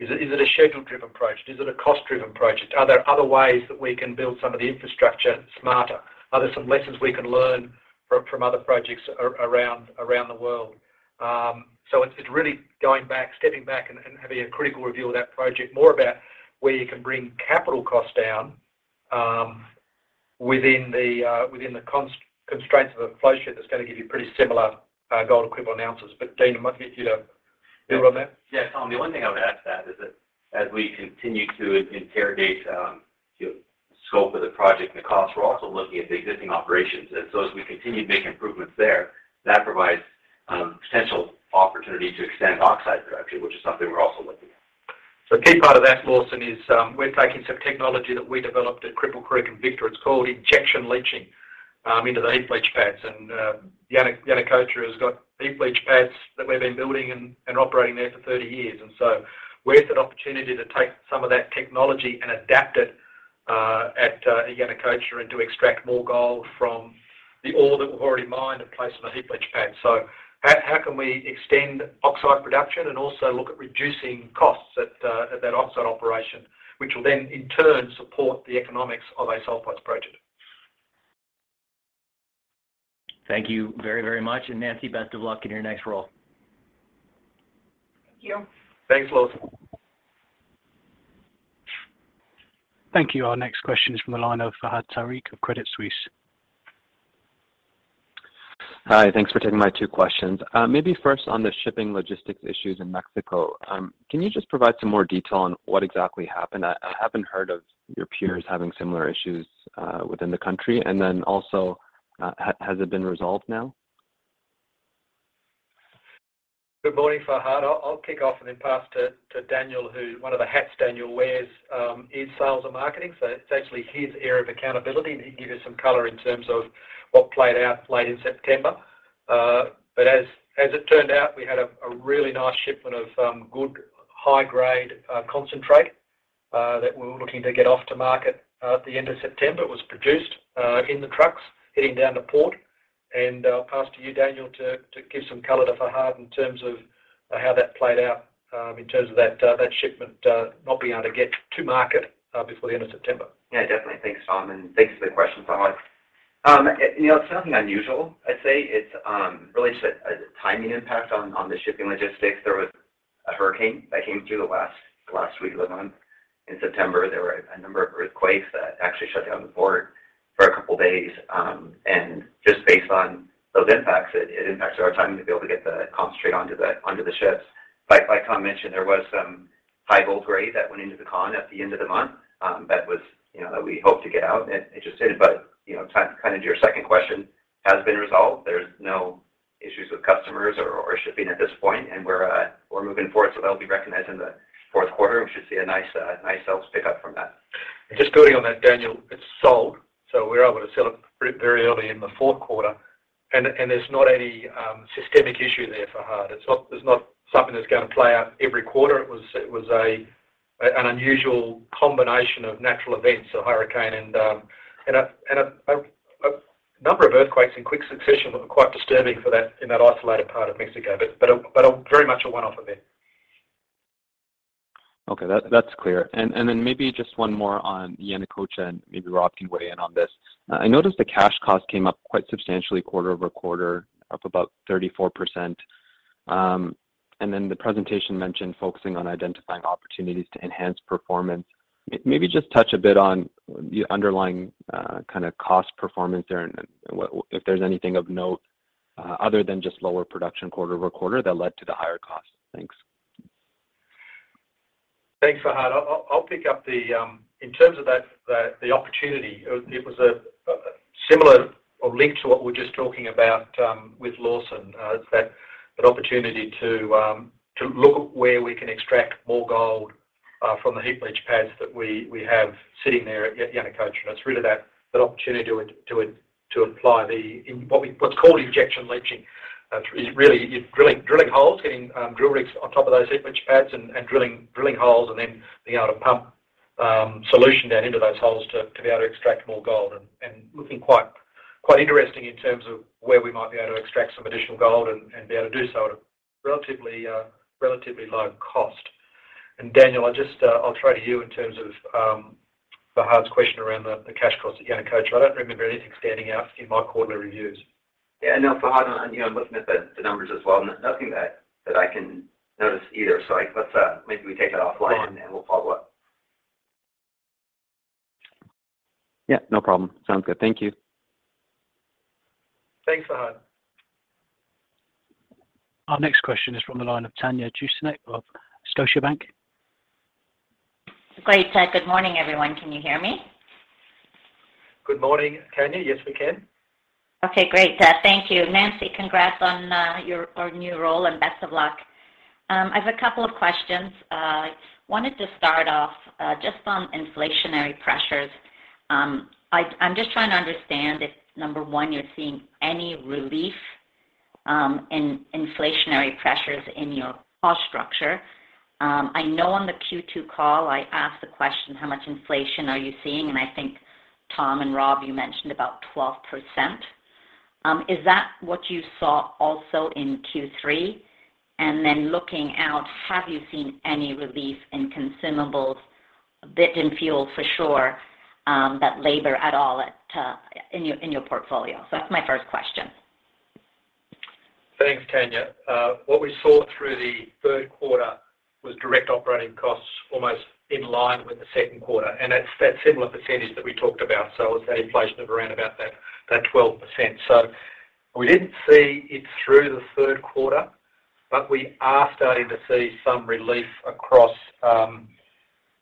Is it a schedule-driven approach? Is it a cost-driven approach? Are there other ways that we can build some of the infrastructure smarter? Are there some lessons we can learn from other projects around the world? It's really going back, stepping back and having a critical review of that project, more about where you can bring capital costs down, within the constraints of a flow sheet that's gonna give you pretty similar gold equivalent ounces. Dean, I might get you to build on that. Yeah, Tom, the one thing I would add to that is that as we continue to interrogate, you know, scope of the project and the costs, we're also looking at the existing operations. As we continue to make improvements there, that provides potential opportunity to extend oxide production, which is something we're also looking at. Key part of that, Lawson, is we're taking some technology that we developed at Cripple Creek and Victor. It's called injection leaching into the heap leach pads. Yanacocha has got heap leach pads that we've been building and operating there for 30 years. Where's that opportunity to take some of that technology and adapt it at Yanacocha and to extract more gold from the ore that we've already mined and placed on a heap leach pad. How can we extend oxide production and also look at reducing costs at that oxide operation, which will then in turn support the economics of a sulfides project. Thank you very, very much. Nancy, best of luck in your next role. Thank you. Thanks, Lawson. Thank you. Our next question is from Fahad Tariq of Credit Suisse. Hi. Thanks for taking my two questions. Maybe first on the shipping logistics issues in Mexico, can you just provide some more detail on what exactly happened? I haven't heard of your peers having similar issues within the country. Then also, has it been resolved now? Good morning, Fahad. I'll kick off and then pass to Daniel, who one of the hats Daniel wears is sales and marketing. It's actually his area of accountability, and he can give you some color in terms of what played out late in September. As it turned out, we had a really nice shipment of good high-grade concentrate that we were looking to get off to market. At the end of September, it was produced in the trucks heading down to port. I'll pass to you, Daniel, to give some color to Fahad in terms of how that played out in terms of that shipment not being able to get to market before the end of September. Yeah, definitely. Thanks, Tom, and thanks for the question, Fahad. You know, it's nothing unusual, I'd say. It's really just a timing impact on the shipping logistics. There was a hurricane that came through the last week of the month in September. There were a number of earthquakes that actually shut down the port for a couple days. Just based on those impacts, it impacts our timing to be able to get the concentrate onto the ships. Like Tom mentioned, there was some high gold grade that went into the con at the end of the month, that was, you know, that we hope to get out. It just did. You know, kind of to your second question, has it been resolved? No Issues with customers or? Shipping at this point, and we're moving forward, so that'll be recognized in the fourth quarter. We should see a nice sales pick-up from that. Just building on that, Daniel, it's sold, so we're able to sell it pretty early in the fourth quarter, and there's not any systemic issue there for Hard. There's not something that's gonna play out every quarter. It was an unusual combination of natural events, a hurricane and a number of earthquakes in quick succession that were quite disturbing for that in that isolated part of Mexico. Very much a one-off event. Okay. That's clear. Maybe just one more on Yanacocha, and maybe Rob can weigh in on this. I noticed the cash cost came up quite substantially quarter-over-quarter, up about 34%. The presentation mentioned focusing on identifying opportunities to enhance performance. Maybe just touch a bit on the underlying kinda cost performance there and what, if there's anything of note, other than just lower production quarter-over-quarter that led to the higher cost. Thanks. Thanks, Fahad. I'll pick up in terms of that, the opportunity, it was a similar or linked to what we were just talking about with Lawson. It's that, an opportunity to look where we can extract more gold from the heap leach pads that we have sitting there at Yanacocha. It's really that opportunity to apply what's called injection leaching. Is really drilling holes, getting drill rigs on top of those heap leach pads and drilling holes and then being able to pump solution down into those holes to be able to extract more gold. Looking quite interesting in terms of where we might be able to extract some additional gold and be able to do so at a relatively low cost. Daniel, I'll just throw to you in terms of Fahad's question around the cash costs at Yanacocha. I don't remember anything standing out in my quarterly reviews. Yeah, no, Fahad, I, you know, I'm looking at the numbers as well. Nothing that I can notice either. Like, let's maybe we take that offline. Sure We'll follow up. Yeah, no problem. Sounds good. Thank you. Thanks, Fahad. Our next question is from the line of Tanya Jakusconek of Scotiabank. Great. Good morning, everyone. Can you hear me? Good morning, Tanya. Yes, we can. Okay, great. Thank you. Nancy, congrats on your new role and best of luck. I've a couple of questions. Wanted to start off just on inflationary pressures. I'm just trying to understand if, number one, you're seeing any relief in inflationary pressures in your cost structure. I know on the Q2 call, I asked the question, how much inflation are you seeing? I think Tom and Rob, you mentioned about 12%. Is that what you saw also in Q3? Then looking out, have you seen any relief in consumables but in fuel for sure, but labor at all in your portfolio? So that's my first question. Thanks, Tanya. What we saw through the third quarter was direct operating costs almost in line with the second quarter, and it's that similar percentage that we talked about, so it's that inflation of around about that 12%. We didn't see it through the third quarter, but we are starting to see some relief across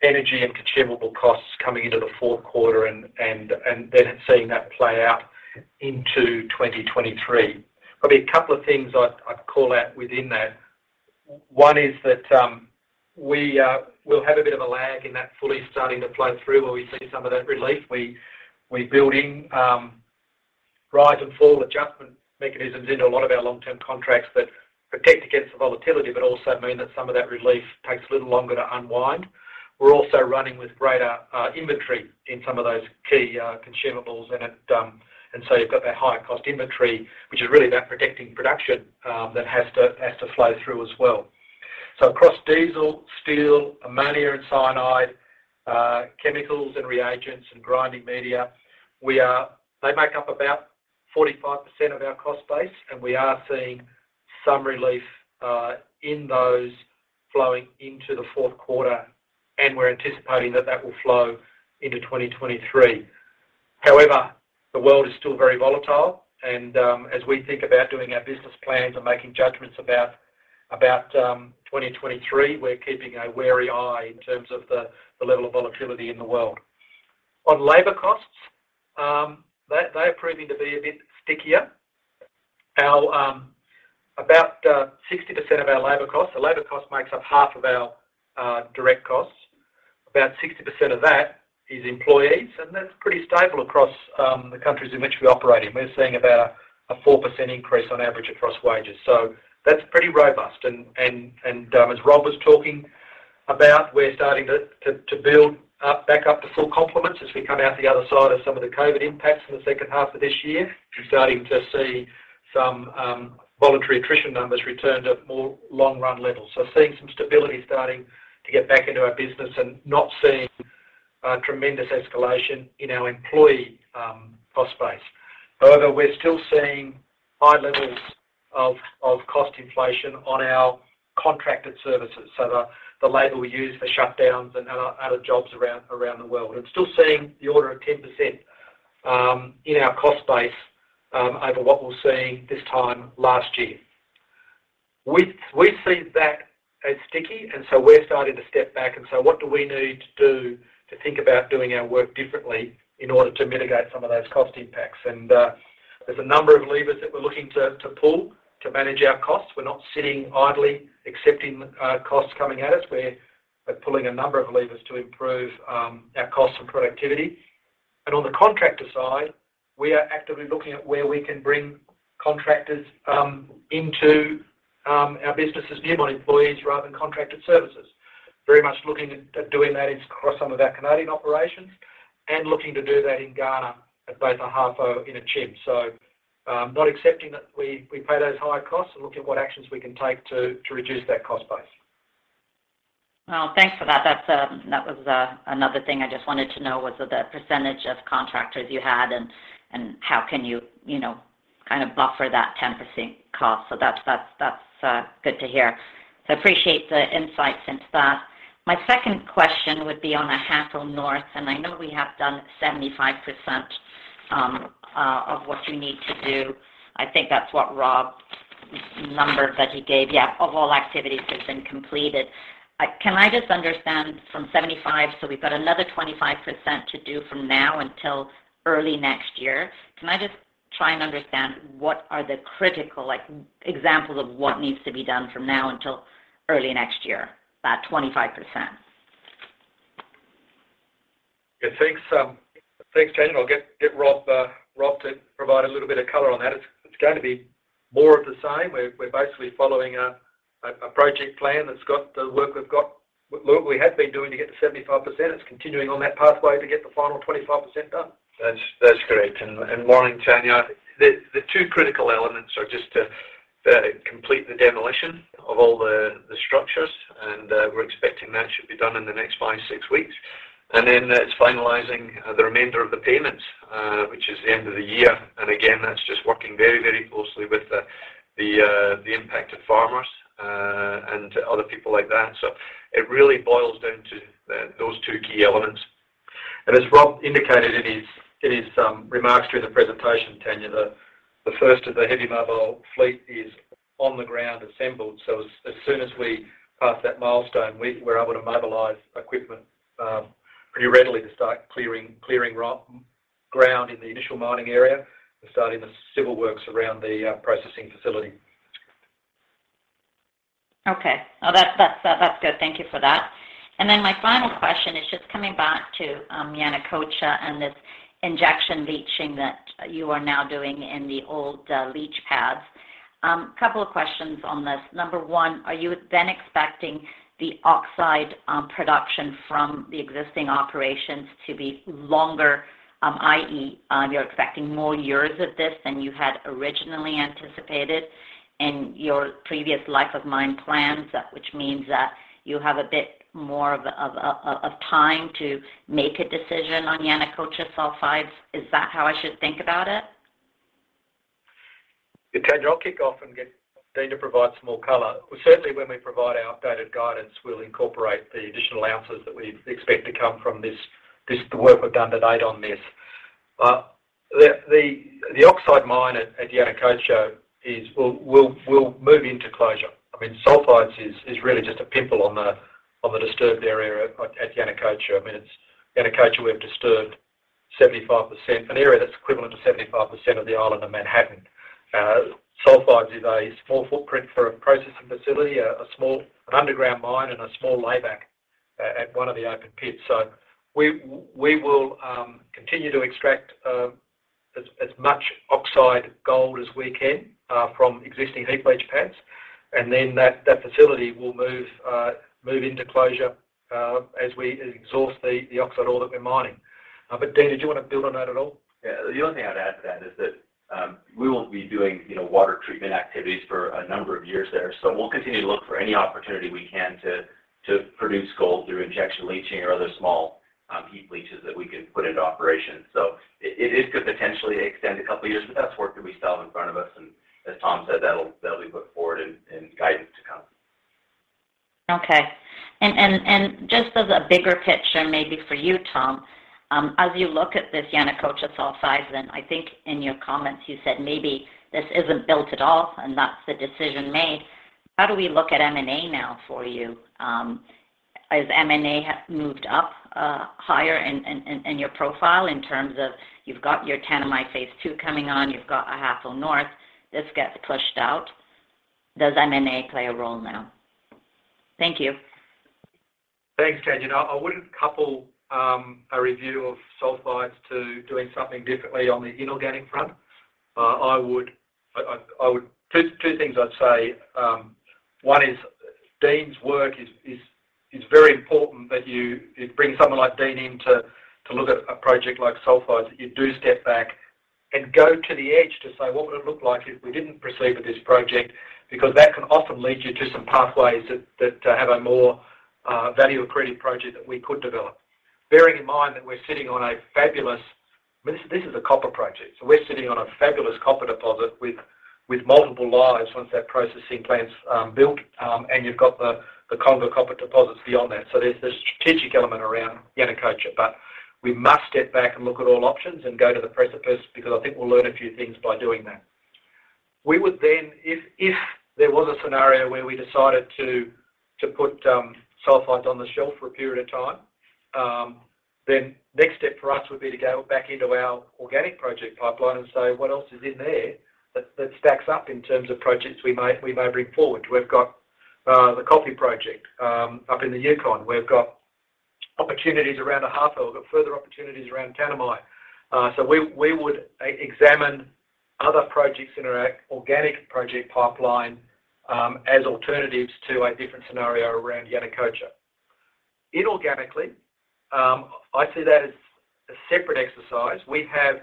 energy and consumable costs coming into the fourth quarter and then seeing that play out into 2023. Probably a couple of things I'd call out within that. One is that we will have a bit of a lag in that fully starting to flow through where we see some of that relief. We build in rise and fall adjustment mechanisms into a lot of our long-term contracts that protect against the volatility but also mean that some of that relief takes a little longer to unwind. We're also running with greater inventory in some of those key consumables, and so you've got that higher cost inventory, which is really that protecting production that has to flow through as well. Across diesel, steel, ammonia and cyanide, chemicals and reagents and grinding media, they make up about 45% of our cost base, and we are seeing some relief in those flowing into the fourth quarter, and we're anticipating that that will flow into 2023. However, the world is still very volatile and as we think about doing our business plans and making judgments about 2023, we're keeping a wary eye in terms of the level of volatility in the world. On labor costs, they are proving to be a bit stickier. Our about 60% of our labor costs, so labor cost makes up half of our direct costs. About 60% of that is employees, and that's pretty stable across the countries in which we operate in. We're seeing about a 4% increase on average across wages, so that's pretty robust. As Rob was talking about, we're starting to build up back up to full complement as we come out the other side of some of the COVID impacts in the second half of this year. We're starting to see some voluntary attrition numbers return to more long-run levels. Seeing some stability starting to get back into our business and not seeing a tremendous escalation in our employee cost base. However, we're still seeing high levels of cost inflation on our contracted services. The labor we use for shutdowns and other jobs around the world. We're still seeing the order of 10% in our cost base over what we're seeing this time last year. We see that as sticky, so we're starting to step back and say, "What do we need to do to think about doing our work differently in order to mitigate some of those cost impacts?" There's a number of levers that we're looking to pull to manage our costs. We're not sitting idly accepting costs coming at us. We're pulling a number of levers to improve our cost and productivity. On the contractor side, we are actively looking at where we can bring contractors into our business as in-house employees rather than contracted services. Very much looking at doing that across some of our Canadian operations and looking to do that in Ghana at both Ahafo and Akyem. Not accepting that we pay those higher costs and looking at what actions we can take to reduce that cost base. Well, thanks for that. That was another thing I just wanted to know was that the percentage of contractors you had and how can you know, kind of buffer that 10% cost. That's good to hear. Appreciate the insights into that. My second question would be on Ahafo North, and I know we have done 75% of what you need to do. I think that's what Rob, number that he gave. Yeah, of all activities that's been completed. Can I just understand from 75%, so we've got another 25% to do from now until early next year. Can I just try and understand what are the critical, like, examples of what needs to be done from now until early next year, that 25%? Yeah, thanks, Tanya. I'll get Rob to provide a little bit of color on that. It's going to be more of the same. We're basically following a project plan that's got the work we've been doing to get to 75%. It's continuing on that pathway to get the final 25% done. That's correct. Good morning, Tanya. The two critical elements are just to complete the demolition of all the structures, and we're expecting that should be done in the next five, six weeks. Then it's finalizing the remainder of the payments, which is the end of the year. Again, that's just working very very closely with the impacted farmers and other people like that. It really boils down to those two key elements. As Rob indicated in his remarks during the presentation, Tanya, the first of the heavy mobile fleet is on the ground assembled. As soon as we pass that milestone, we're able to mobilize equipment pretty readily to start clearing rough ground in the initial mining area and starting the civil works around the processing facility. Okay. No, that's good. Thank you for that. My final question is just coming back to Yanacocha and this injection leaching that you are now doing in the old leach pads. Couple of questions on this. Number one, are you then expecting the oxide production from the existing operations to be longer, i.e., you're expecting more years of this than you had originally anticipated in your previous life of mine plans, which means that you have a bit more of a time to make a decision on Yanacocha Sulfides? Is that how I should think about it? Yeah, Tanya, I'll kick off and get Dean to provide some more color. Certainly when we provide our updated guidance, we'll incorporate the additional ounces that we expect to come from the work we've done to date on this. The oxide mine at Yanacocha will move into closure. I mean, sulfides is really just a pimple on the disturbed area at Yanacocha. I mean, it's Yanacocha we've disturbed 75%, an area that's equivalent to 75% of the island of Manhattan. Sulfides is a small footprint for a processing facility, a small underground mine and a small lay back at one of the open pits. We will continue to extract as much oxide gold as we can from existing heap leach pads, and then that facility will move into closure as we exhaust the oxide ore that we're mining. Dean, did you wanna build on that at all? Yeah. The only thing I'd add to that is that we won't be doing, you know, water treatment activities for a number of years there. We'll continue to look for any opportunity we can to produce gold through injection leaching or other small heap leaches that we can put into operation. It could potentially extend a couple of years, but that's work that we still have in front of us, and as Tom said, that'll be put forward in guidance to come. Okay. Just as a bigger picture maybe for you, Tom, as you look at this Yanacocha Sulfides then, I think in your comments you said maybe this isn't built at all and that's the decision made. How do we look at M&A now for you? Has M&A moved up higher in your profile in terms of you've got your Tanami phase II coming on, you've got Ahafo North, this gets pushed out. Does M&A play a role now? Thank you. Thanks, Tanya. I wouldn't couple a review of sulfides to doing something differently on the inorganic front. I would. Two things I'd say. One is Dean's work is very important that you bring someone like Dean in to look at a project like sulfides, that you do step back and go to the edge to say, "What would it look like if we didn't proceed with this project?" Because that can often lead you to some pathways that have a more value accretive project that we could develop. Bearing in mind that we're sitting on a fabulous. This is a copper project, so we're sitting on a fabulous copper deposit with multiple lives once that processing plant's built, and you've got the Conga copper deposits beyond that. There's the strategic element around Yanacocha. We must step back and look at all options and go to the precipice because I think we'll learn a few things by doing that. We would then, if there was a scenario where we decided to put sulfides on the shelf for a period of time, then next step for us would be to go back into our organic project pipeline and say, what else is in there that stacks up in terms of projects we may bring forward? We've got the Coffee Project up in the Yukon. We've got opportunities around Ahafo. We've got further opportunities around Tanami. We would examine other projects in our organic project pipeline as alternatives to a different scenario around Yanacocha. Inorganically, I see that as a separate exercise. We have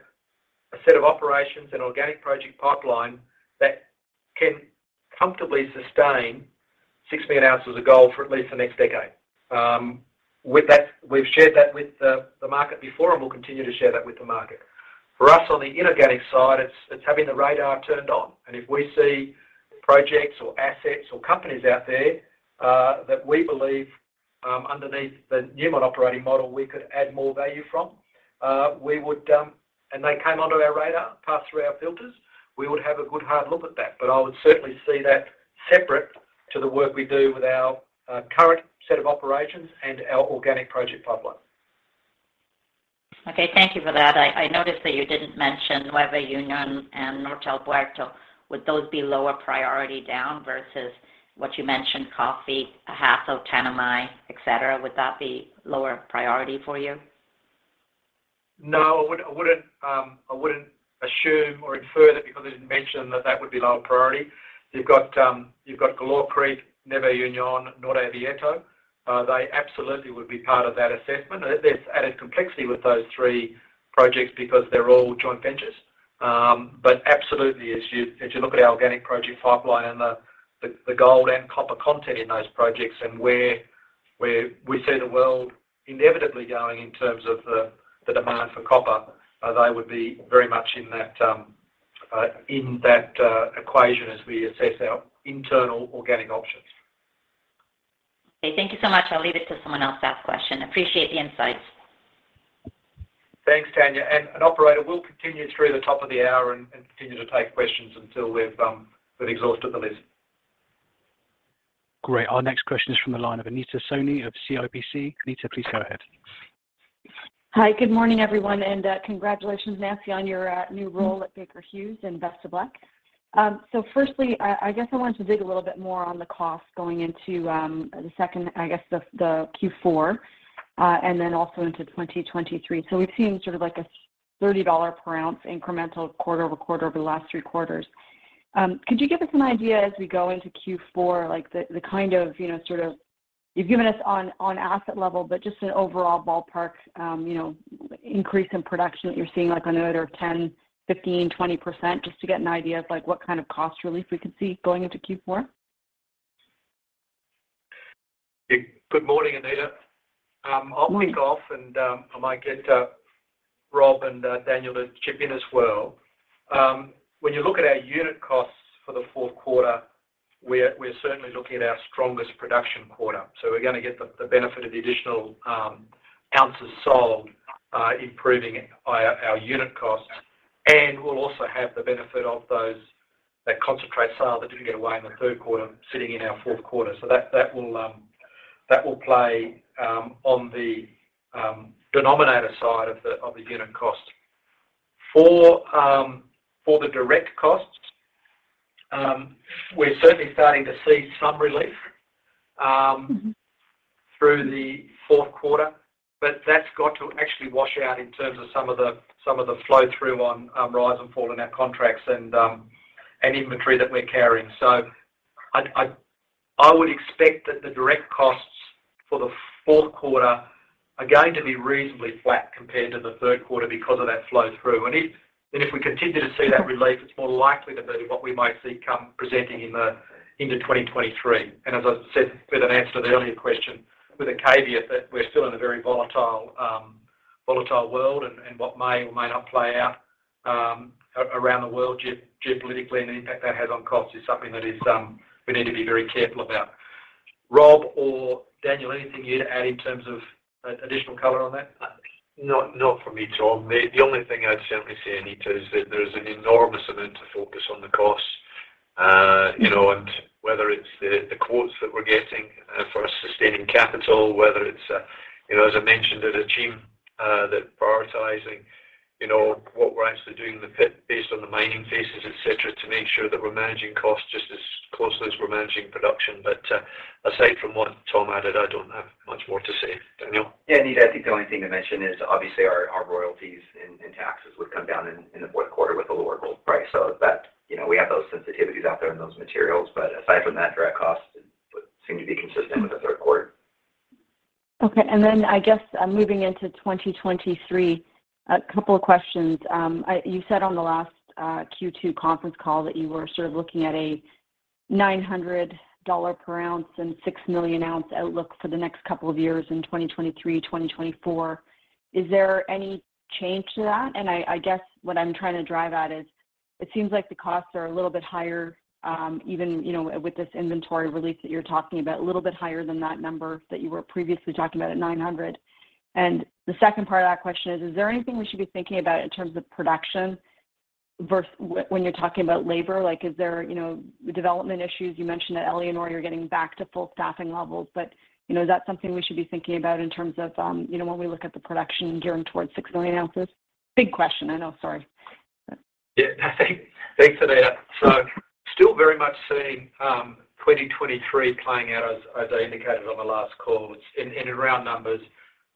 a set of operations and organic project pipeline that can comfortably sustain six million ounces of gold for at least the next decade. With that, we've shared that with the market before, and we'll continue to share that with the market. For us on the inorganic side, it's having the radar turned on. If we see projects or assets or companies out there, that we believe, underneath the Newmont operating model, we could add more value than, and they came onto our radar, passed through our filters, we would have a good hard look at that. I would certainly see that separate to the work we do with our current set of operations and our organic project pipeline. Okay. Thank you for that. I noticed that you didn't mention Nueva Unión and Norte Abierto. Would those be lower priority down versus what you mentioned, Coffee, Ahafo, Tanami, et cetera? Would that be lower priority for you? No. I wouldn't assume or infer that because I didn't mention that that would be lower priority. You've got Galore Creek, Nueva Unión, Norte Abierto. They absolutely would be part of that assessment. There's added complexity with those three projects because they're all joint ventures. But absolutely, as you look at our organic project pipeline and the gold and copper content in those projects and where we see the world inevitably going in terms of the demand for copper, they would be very much in that equation as we assess our internal organic options. Okay. Thank you so much. I'll leave it to someone else to ask question. Appreciate the insights. Thanks, Tanya. Operator, we'll continue through the top of the hour and continue to take questions until we've exhausted the list. Great. Our next question is from the line of Anita Soni of CIBC. Anita, please go ahead. Hi. Good morning, everyone, and congratulations, Nancy, on your new role at Baker Hughes and best of luck. I guess I wanted to dig a little bit more on the cost going into the Q4 and then also into 2023. We've seen sort of like a $30 per ounce incremental quarter-over-quarter over the last three quarters. Could you give us an idea as we go into Q4, like the kind of, you know, sort of you've given us on asset level, but just an overall ballpark, you know, increase in production that you're seeing like on the order of 10%, 15%, 20%, just to get an idea of like what kind of cost relief we could see going into Q4? Good morning, Anita. I'll kick off and I might get Rob and Daniel to chip in as well. When you look at our unit costs for the fourth quarter, we're certainly looking at our strongest production quarter. We're gonna get the benefit of the additional ounces sold, improving our unit costs. We'll also have the benefit of that concentrate sale that didn't get away in the third quarter sitting in our fourth quarter. That will play on the denominator side of the unit cost. For the direct costs, we're certainly starting to see some relief. Mm-hmm Through the fourth quarter. That's got to actually wash out in terms of some of the flow through on rise and fall in our contracts and inventory that we're carrying. I would expect that the direct costs for the fourth quarter are going to be reasonably flat compared to the third quarter because of that flow through. If we continue to see that relief, it's more likely to be what we might see come presenting into 2023. As I said with an answer to the earlier question, with a caveat that we're still in a very volatile world and what may or may not play out around the world geopolitically and the impact that has on costs is something that we need to be very careful about. Rob or Daniel, anything you'd add in terms of additional color on that? Not from me, Tom. The only thing I'd certainly say, Anita, is that there is an enormous amount of focus on the costs. You know, whether it's the quotes that we're getting for sustaining capital, whether it's you know, as I mentioned, there's a team that prioritizing you know, what we're actually doing in the pit based on the mining phases, et cetera, to make sure that we're managing costs just as closely as we're managing production. Aside from what Tom added, I don't have much more to say. Daniel? Yeah. Anita, I think the only thing to mention is obviously our royalties and taxes would come down in the fourth quarter with the lower gold price. That, you know, we have those sensitivities out there in those materials. Aside from that, direct costs would seem to be consistent with the third quarter. Okay. I guess, moving into 2023, a couple of questions. You said on the last Q2 conference call that you were sort of looking at a $900 per ounce and 6 million ounce outlook for the next couple of years in 2023, 2024. Is there any change to that? I guess what I'm trying to drive at is it seems like the costs are a little bit higher, even, you know, with this inventory release that you're talking about, a little bit higher than that number that you were previously talking about at 900. The second part of that question is there anything we should be thinking about in terms of production versus when you're talking about labor? Like, is there, you know, development issues? You mentioned at Éléonore you're getting back to full staffing levels, but, you know, is that something we should be thinking about in terms of, you know, when we look at the production gearing towards 6 million ounces? Big question, I know. Sorry. Yeah. Thanks, Anita. Still very much seeing 2023 playing out as I indicated on the last call. In round numbers,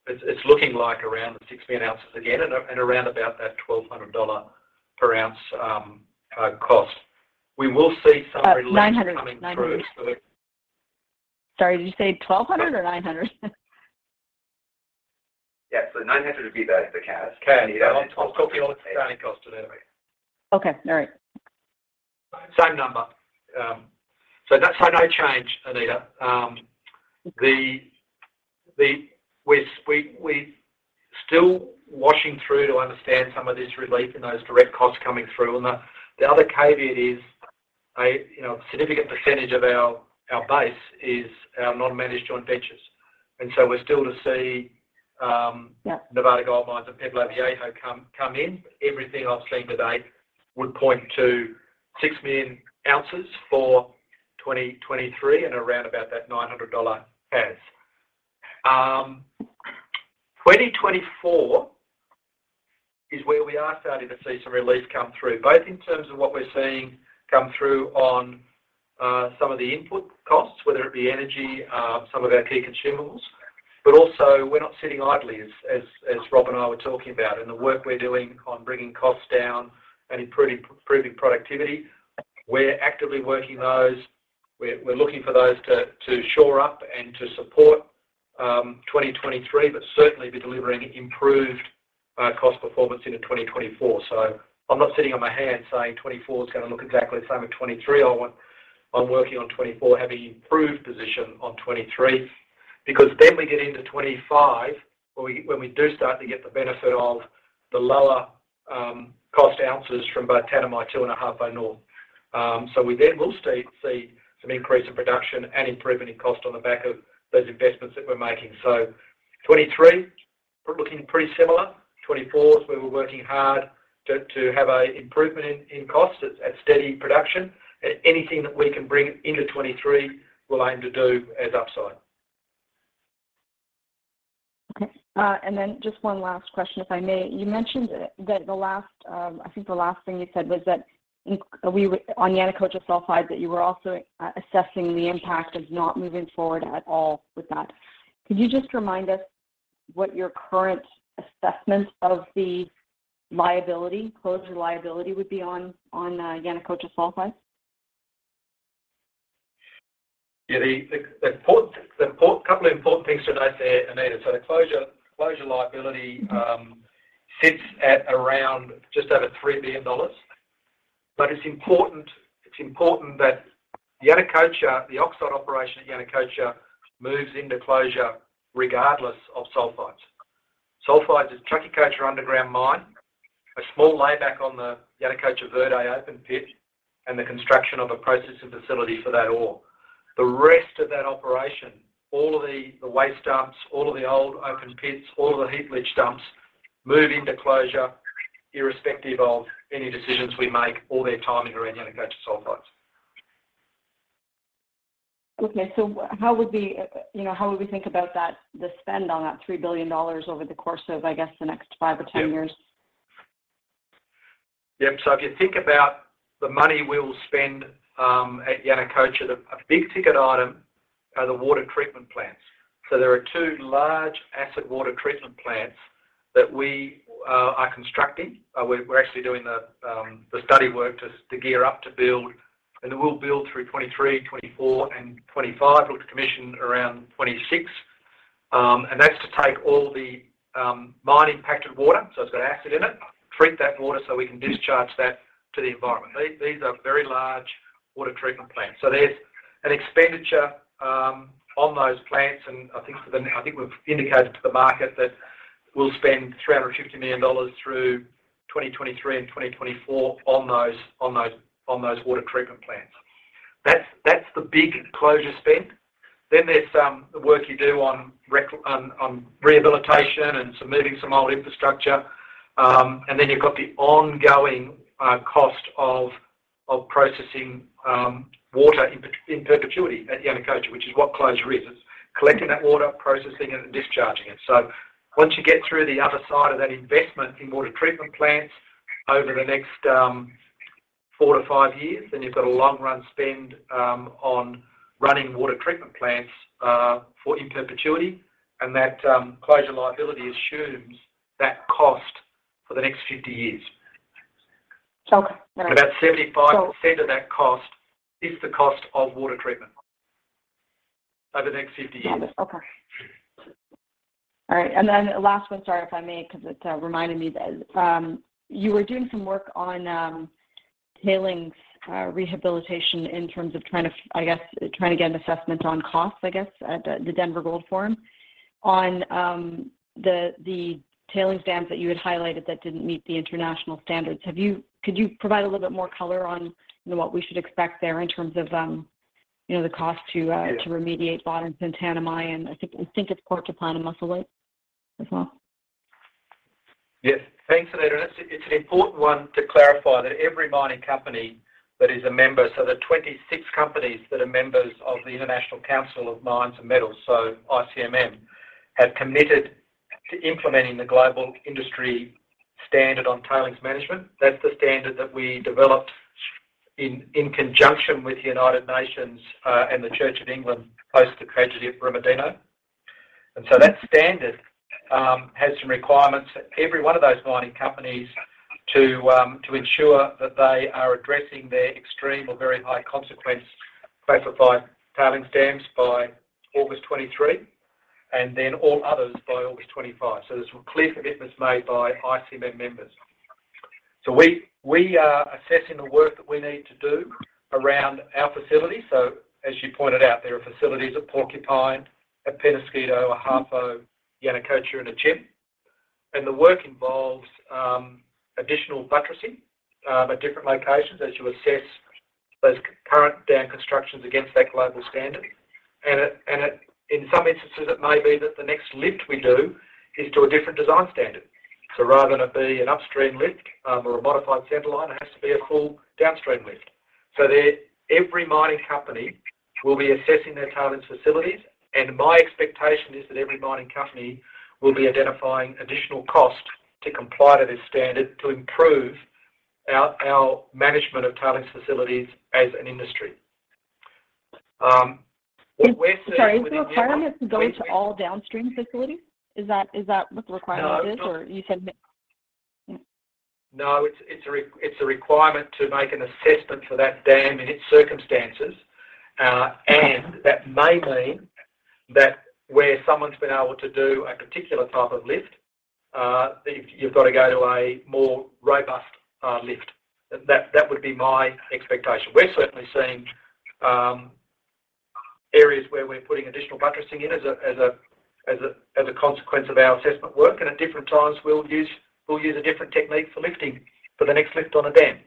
it's looking like around the six million ounces again, and around about that $1,200 per ounce cost. We will see some relief. Uh, 900. 900 Coming through. Sorry, did you say 1200 or 900? Yeah. 900 would be the CAS. I'll copy all the planning costs to that way. Okay. All right. Same number. That's no change, Anita. We're working through to understand some of this relief and those direct costs coming through. The other caveat is, you know, a significant percentage of our base is our non-managed joint ventures. We're still to see. Yep. Nevada Gold Mines and Pueblo Viejo come in. Everything I've seen to date would point to six million ounces for 2023 and around about that $900 CAS. 2024 is where we are starting to see some relief come through, both in terms of what we're seeing come through on some of the input costs, whether it be energy, some of our key consumables. But also, we're not sitting idly, as Rob and I were talking about, and the work we're doing on bringing costs down and improving productivity. We're actively working those. We're looking for those to shore up and to support 2023, but certainly be delivering improved cost performance into 2024. I'm not sitting on my hands saying 2024 is gonna look exactly the same as 2023. I want... I'm working on 2024, have an improved position on 2023. We get into 2025, when we do start to get the benefit of the lower cost ounces from both Tanami 2 and Ahafo North. We then will see some increase in production and improvement in cost on the back of those investments that we're making. 2023, we're looking pretty similar. 2024 is where we're working hard to have an improvement in cost at steady production. Anything that we can bring into 2023, we'll aim to do as upside. Okay. Then just one last question, if I may. You mentioned that the last, I think the last thing you said was on Yanacocha Sulfides, that you were also assessing the impact of not moving forward at all with that. Could you just remind us what your current assessment of the liability, closure liability would be on Yanacocha Sulfides? Yeah. Couple of important things to note there, Anita. The closure liability sits at around just over $3 billion. It's important that Yanacocha, the oxide operation at Yanacocha, moves into closure regardless of sulfides. Sulfides is Chaquicocha underground mine, a small layback on the Yanacocha Verde open pit, and the construction of a processing facility for that ore. The rest of that operation, all of the waste dumps, all of the old open pits, all of the heap leach dumps, move into closure irrespective of any decisions we make or their timing around Yanacocha sulfides. Okay. How would we, you know, think about that, the spend on that $3 billion over the course of, I guess, the next five or 10 years? Yeah. If you think about the money we will spend at Yanacocha, a big ticket item are the water treatment plants. There are two large acid water treatment plants that we are constructing. We're actually doing the study work to gear up to build. We'll build through 2023, 2024 and 2025. We'll commission around 2026. That's to take all the mining impacted water, so it's got acid in it, treat that water so we can discharge that to the environment. These are very large water treatment plants. There's an expenditure on those plants. I think we've indicated to the market that we'll spend $350 million through 2023 and 2024 on those water treatment plants. That's the big closure spend. There's the work you do on rehabilitation and some moving some old infrastructure. You've got the ongoing cost of processing water in perpetuity at Yanacocha, which is what closure is. It's collecting that water, processing it and discharging it. Once you get through the other side of that investment in water treatment plants over the next four to five years, you've got a long run spend on running water treatment plants for in perpetuity. That closure liability assumes that cost for the next 50 years. Okay. All right. About 75% of that cost is the cost of water treatment over the next 50 years. Understood. Okay. All right. Then last one, sorry if I may, because it reminded me that you were doing some work on tailings rehabilitation in terms of trying to, I guess, trying to get an assessment on costs, I guess, at the Denver Gold Forum on the tailings dams that you had highlighted that didn't meet the international standards. Could you provide a little bit more color on, you know, what we should expect there in terms of, you know, the cost to remediate Boddington, Tanami, and I think it's Porcupine and Musselwhite as well. Yes. Thanks, Anita. It's an important one to clarify that every mining company that is a member, so the 26 companies that are members of the International Council on Mining and Metals, so ICMM, have committed to implementing the Global Industry Standard on Tailings Management. That's the standard that we developed in conjunction with the United Nations and the Church of England post the tragedy of Brumadinho. That standard has some requirements that every one of those mining companies to ensure that they are addressing their extreme or very high consequence classified tailings dams by August 2023, and then all others by August 2025. There's clear commitments made by ICMM members. We are assessing the work that we need to do around our facility. As you pointed out, there are facilities at Porcupine, at Peñasquito, Ahafo, Yanacocha, and Akyem. The work involves additional buttressing at different locations as you assess those current dam constructions against that global standard. In some instances, it may be that the next lift we do is to a different design standard. Rather than it be an upstream lift or a modified center line, it has to be a full downstream lift. There, every mining company will be assessing their tailings facilities, and my expectation is that every mining company will be identifying additional cost to comply to this standard to improve our management of tailings facilities as an industry. What we're seeing Sorry. Is the requirement to go into all downstream facilities? Is that what the requirement is? No. Or you said mi- No, it's a requirement to make an assessment for that dam in its circumstances. That may mean that where someone's been able to do a particular type of lift, you've got to go to a more robust lift. That would be my expectation. We're certainly seeing areas where we're putting additional buttressing in as a consequence of our assessment work. At different times we'll use a different technique for lifting for the next lift on a dam.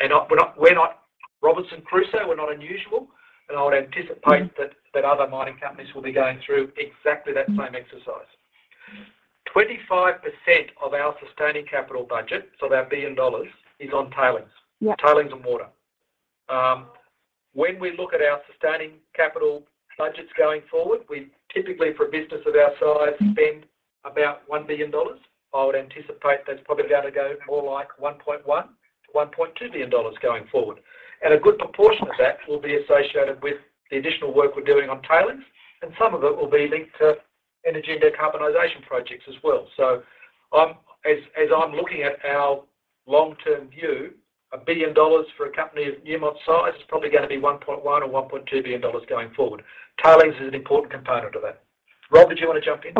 We're not Robinson Crusoe, we're not unusual, and I would anticipate that other mining companies will be going through exactly that same exercise. 25% of our sustaining capital budget, so that $1 billion, is on tailings. Yeah. Tailings and water. When we look at our sustaining capital budgets going forward, we typically, for a business of our size, spend about $1 billion. I would anticipate that's probably about to go more like $1.1-$1.2 billion going forward. A good proportion of that will be associated with the additional work we're doing on tailings, and some of it will be linked to energy and decarbonization projects as well. As I'm looking at our long-term view, $1 billion for a company of Newmont's size is probably gonna be $1.1 or $1.2 billion going forward. Tailings is an important component of that. Rob, did you wanna jump in?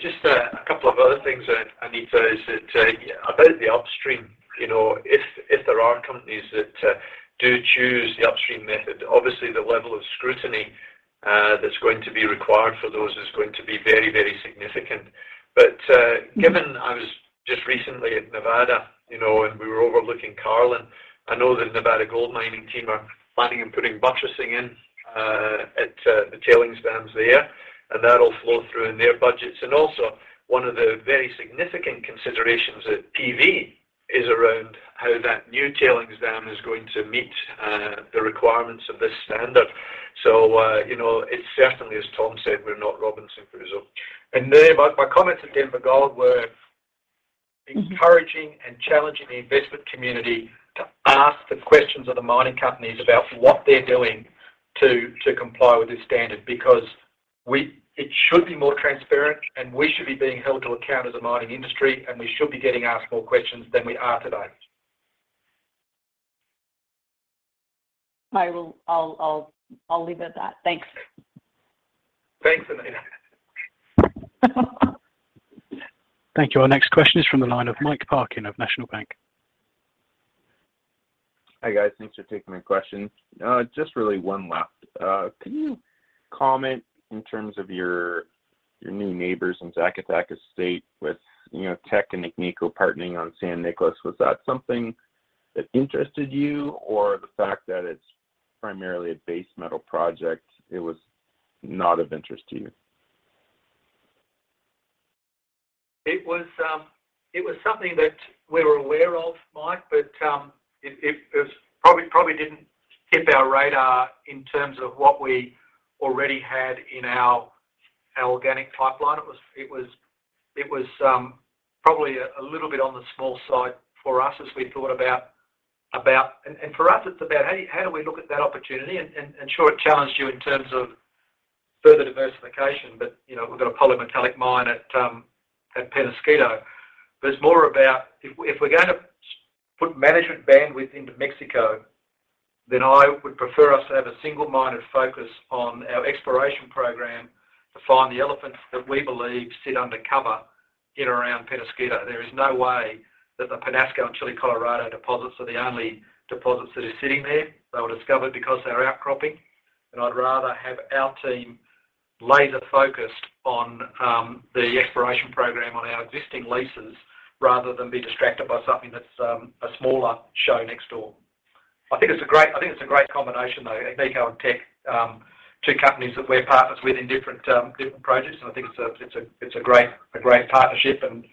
Just a couple of other things, Anita. Is that about the upstream, you know, if there are companies that do choose the upstream method, obviously the level of scrutiny that's going to be required for those is going to be very, very significant. Given I was just recently in Nevada, you know, and we were overlooking Carlin, I know the Nevada Gold Mines team are planning on putting buttressing in at the tailings dams there, and that'll flow through in their budgets. One of the very significant considerations at PV is around how that new tailings dam is going to meet the requirements of this standard. You know, it's certainly, as Tom said, we're not Robinson Crusoe. My comments at Denver Gold were encouraging and challenging the investment community to ask the questions of the mining companies about what they're doing to comply with this standard. Because it should be more transparent, and we should be being held to account as a mining industry, and we should be getting asked more questions than we are today. I'll leave it at that. Thanks. Thanks, Anita. Thank you. Our next question is from the line of Mike Parkin of National Bank. Hi, guys. Thanks for taking my question. Just really one last. Can you comment in terms of your new neighbours in Zacatecas State with, you know, Teck and Agnico partnering on San Nicolas? Was that something that interested you? Or the fact that it's primarily a base metal project, it was not of interest to you? It was something that we were aware of, Mike, but it probably didn't tip our radar in terms of what we already had in our organic pipeline. It was probably a little bit on the small side for us as we thought about. For us it's about how do we look at that opportunity? Sure it challenged you in terms of further diversification, but, you know, we've got a polymetallic mine at Peñasquito. It's more about if we're gonna put management bandwidth into Mexico, then I would prefer us to have a single-minded focus on our exploration program to find the elephants that we believe sit undercover in and around Peñasquito. There is no way that the Peñasco and Chile Colorado deposits are the only deposits that are sitting there. They were discovered because they were outcropping, and I'd rather have our team laser-focused on the exploration program on our existing leases rather than be distracted by something that's a smaller show next door. I think it's a great combination, though. Agnico and Teck, two companies that we're partners with in different projects, and I think it's a great partnership, and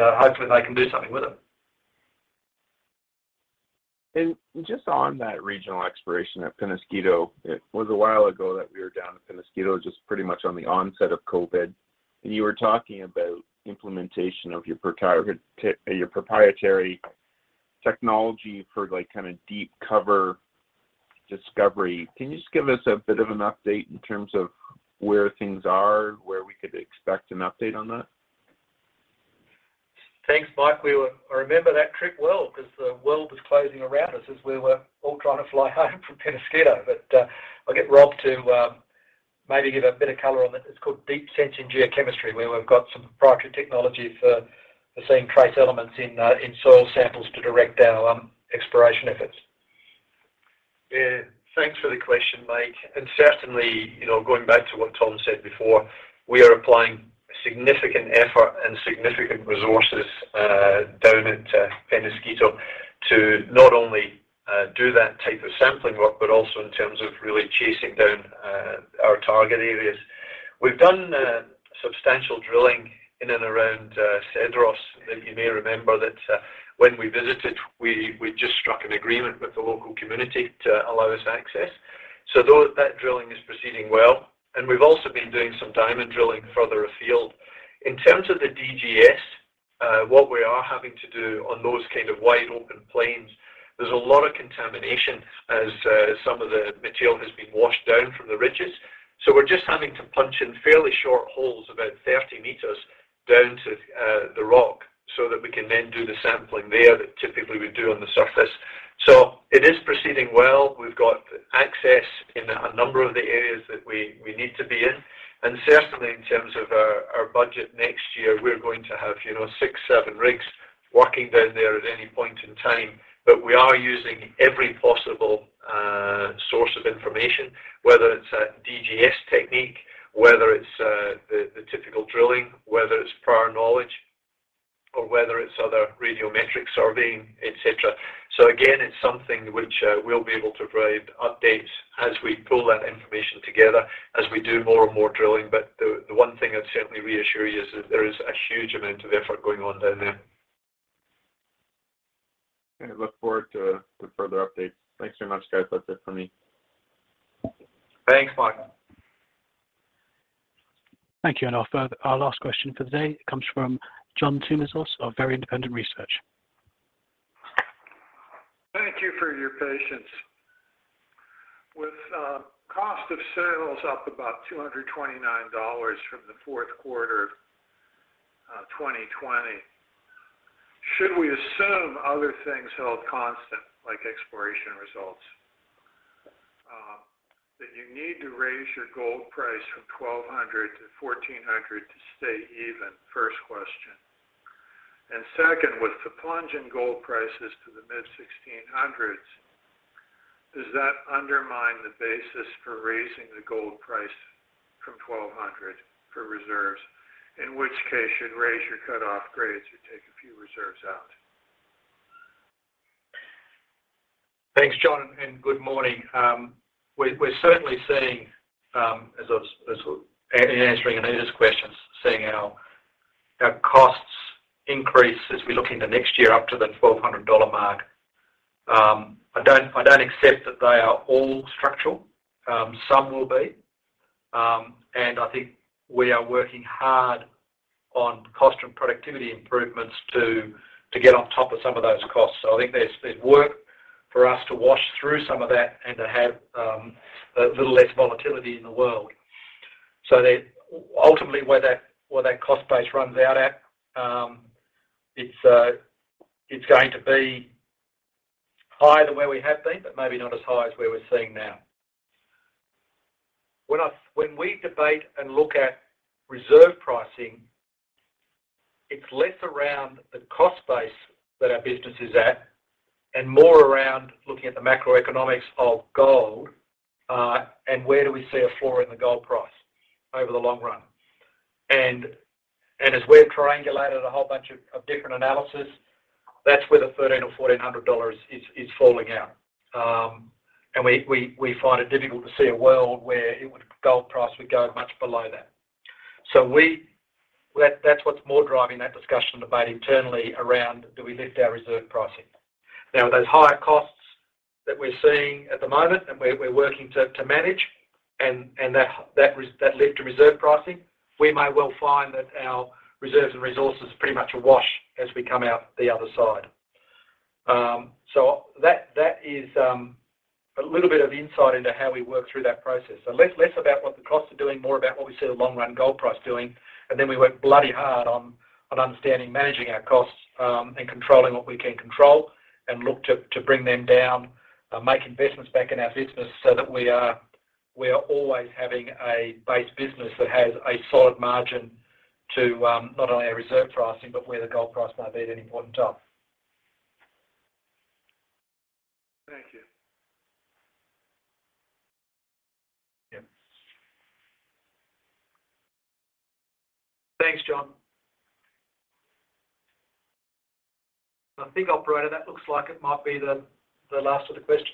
hopefully they can do something with it. Just on that regional exploration at Peñasquito. It was a while ago that we were down at Peñasquito, just pretty much on the onset of COVID. You were talking about implementation of your proprietary technology for, like, kind of deep cover discovery. Can you just give us a bit of an update in terms of where things are, where we could expect an update on that? Thanks, Mike. I remember that trip well because the world was closing around us as we were all trying to fly home from Peñasquito. I'll get Rob to maybe give a bit of color on that. It's called Deep Sensing Geochemistry, where we've got some proprietary technology for seeing trace elements in soil samples to direct our exploration efforts. Yeah. Thanks for the question, Mike. Certainly, you know, going back to what Tom said before, we are applying significant effort and significant resources down at Peñasquito to not only do that type of sampling work, but also in terms of really chasing down our target areas. We've done substantial drilling in and around Cedros, that you may remember when we visited, we'd just struck an agreement with the local community to allow us access. That drilling is proceeding well. We've also been doing some diamond drilling further afield. In terms of the DGS, what we are having to do on those kind of wide-open plains, there's a lot of contamination as some of the material has been washed down from the ridges. We're just having to punch in fairly short holes, about 30 meters, down to the rock so that we can then do the sampling there that typically we do on the surface. It is proceeding well. We've got access in a number of the areas that we need to be in. Certainly, in terms of our budget next year, we're going to have, you know, six, seven rigs working down there at any point in time. But we are using every possible source of information, whether it's a DGS technique, whether it's the typical drilling, whether it's prior knowledge or whether it's other radiometric surveying, et cetera. Again, it's something which we'll be able to provide updates as we pull that information together, as we do more and more drilling. The one thing I'd certainly reassure you is that there is a huge amount of effort going on down there. Okay. Look forward to further updates. Thanks very much, guys. That's it for me. Thanks, Mike. Thank you. Our last question for the day comes from John Tumazos of Very Independent Research. Thank you for your patience. With cost of sales up about $229 from the fourth quarter of 2020, should we assume other things held constant, like exploration results, that you need to raise your gold price from $1,200 to $1,400 to stay even? First question. Second, with the plunge in gold prices to the mid-$1,600s, does that undermine the basis for raising the gold price from $1,200 for reserves? In which case, should raise your cut-off grades should take a few reserves out. Thanks, John, and good morning. We're certainly seeing, in answering Anita's questions, our costs increase as we look into next year up to the $1,200 mark. I don't accept that they are all structural. Some will be. I think we are working hard on cost and productivity improvements to get on top of some of those costs. I think there's work for us to wash through some of that and to have a little less volatility in the world. Ultimately, where that cost base runs out at, it's going to be higher than where we have been, but maybe not as high as where we're seeing now. When we debate and look at reserve pricing, it's less around the cost base that our business is at and more around looking at the macroeconomics of gold, and where do we see a floor in the gold price over the long run. As we've triangulated a whole bunch of different analysis, that's where the $1,300-$1,400 is falling out. We find it difficult to see a world where the gold price would go much below that. That's what's more driving that discussion and debate internally around do we lift our reserve pricing. Now, those higher costs that we're seeing at the moment and we're working to manage and that lift to reserve pricing, we may well find that our reserves and resources pretty much are wash as we come out the other side. That is a little bit of insight into how we work through that process. Less about what the costs are doing, more about what we see the long-run gold price doing, and then we work bloody hard on understanding managing our costs, and controlling what we can control and look to bring them down, make investments back in our business so that we are always having a base business that has a solid margin to not only our reserve pricing, but where the gold price might be at any point in time. Thank you. Yeah. Thanks, John. I think, operator, that looks like it might be the last of the questions.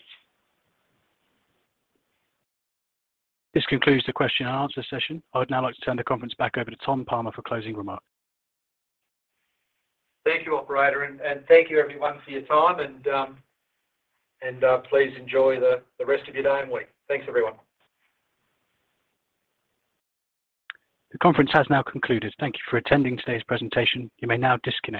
This concludes the question and answer session. I'd now like to turn the conference back over to Tom Palmer for closing remarks. Thank you, operator, and thank you everyone for your time, and please enjoy the rest of your day and week. Thanks, everyone. The conference has now concluded. Thank you for attending today's presentation. You may now disconnect.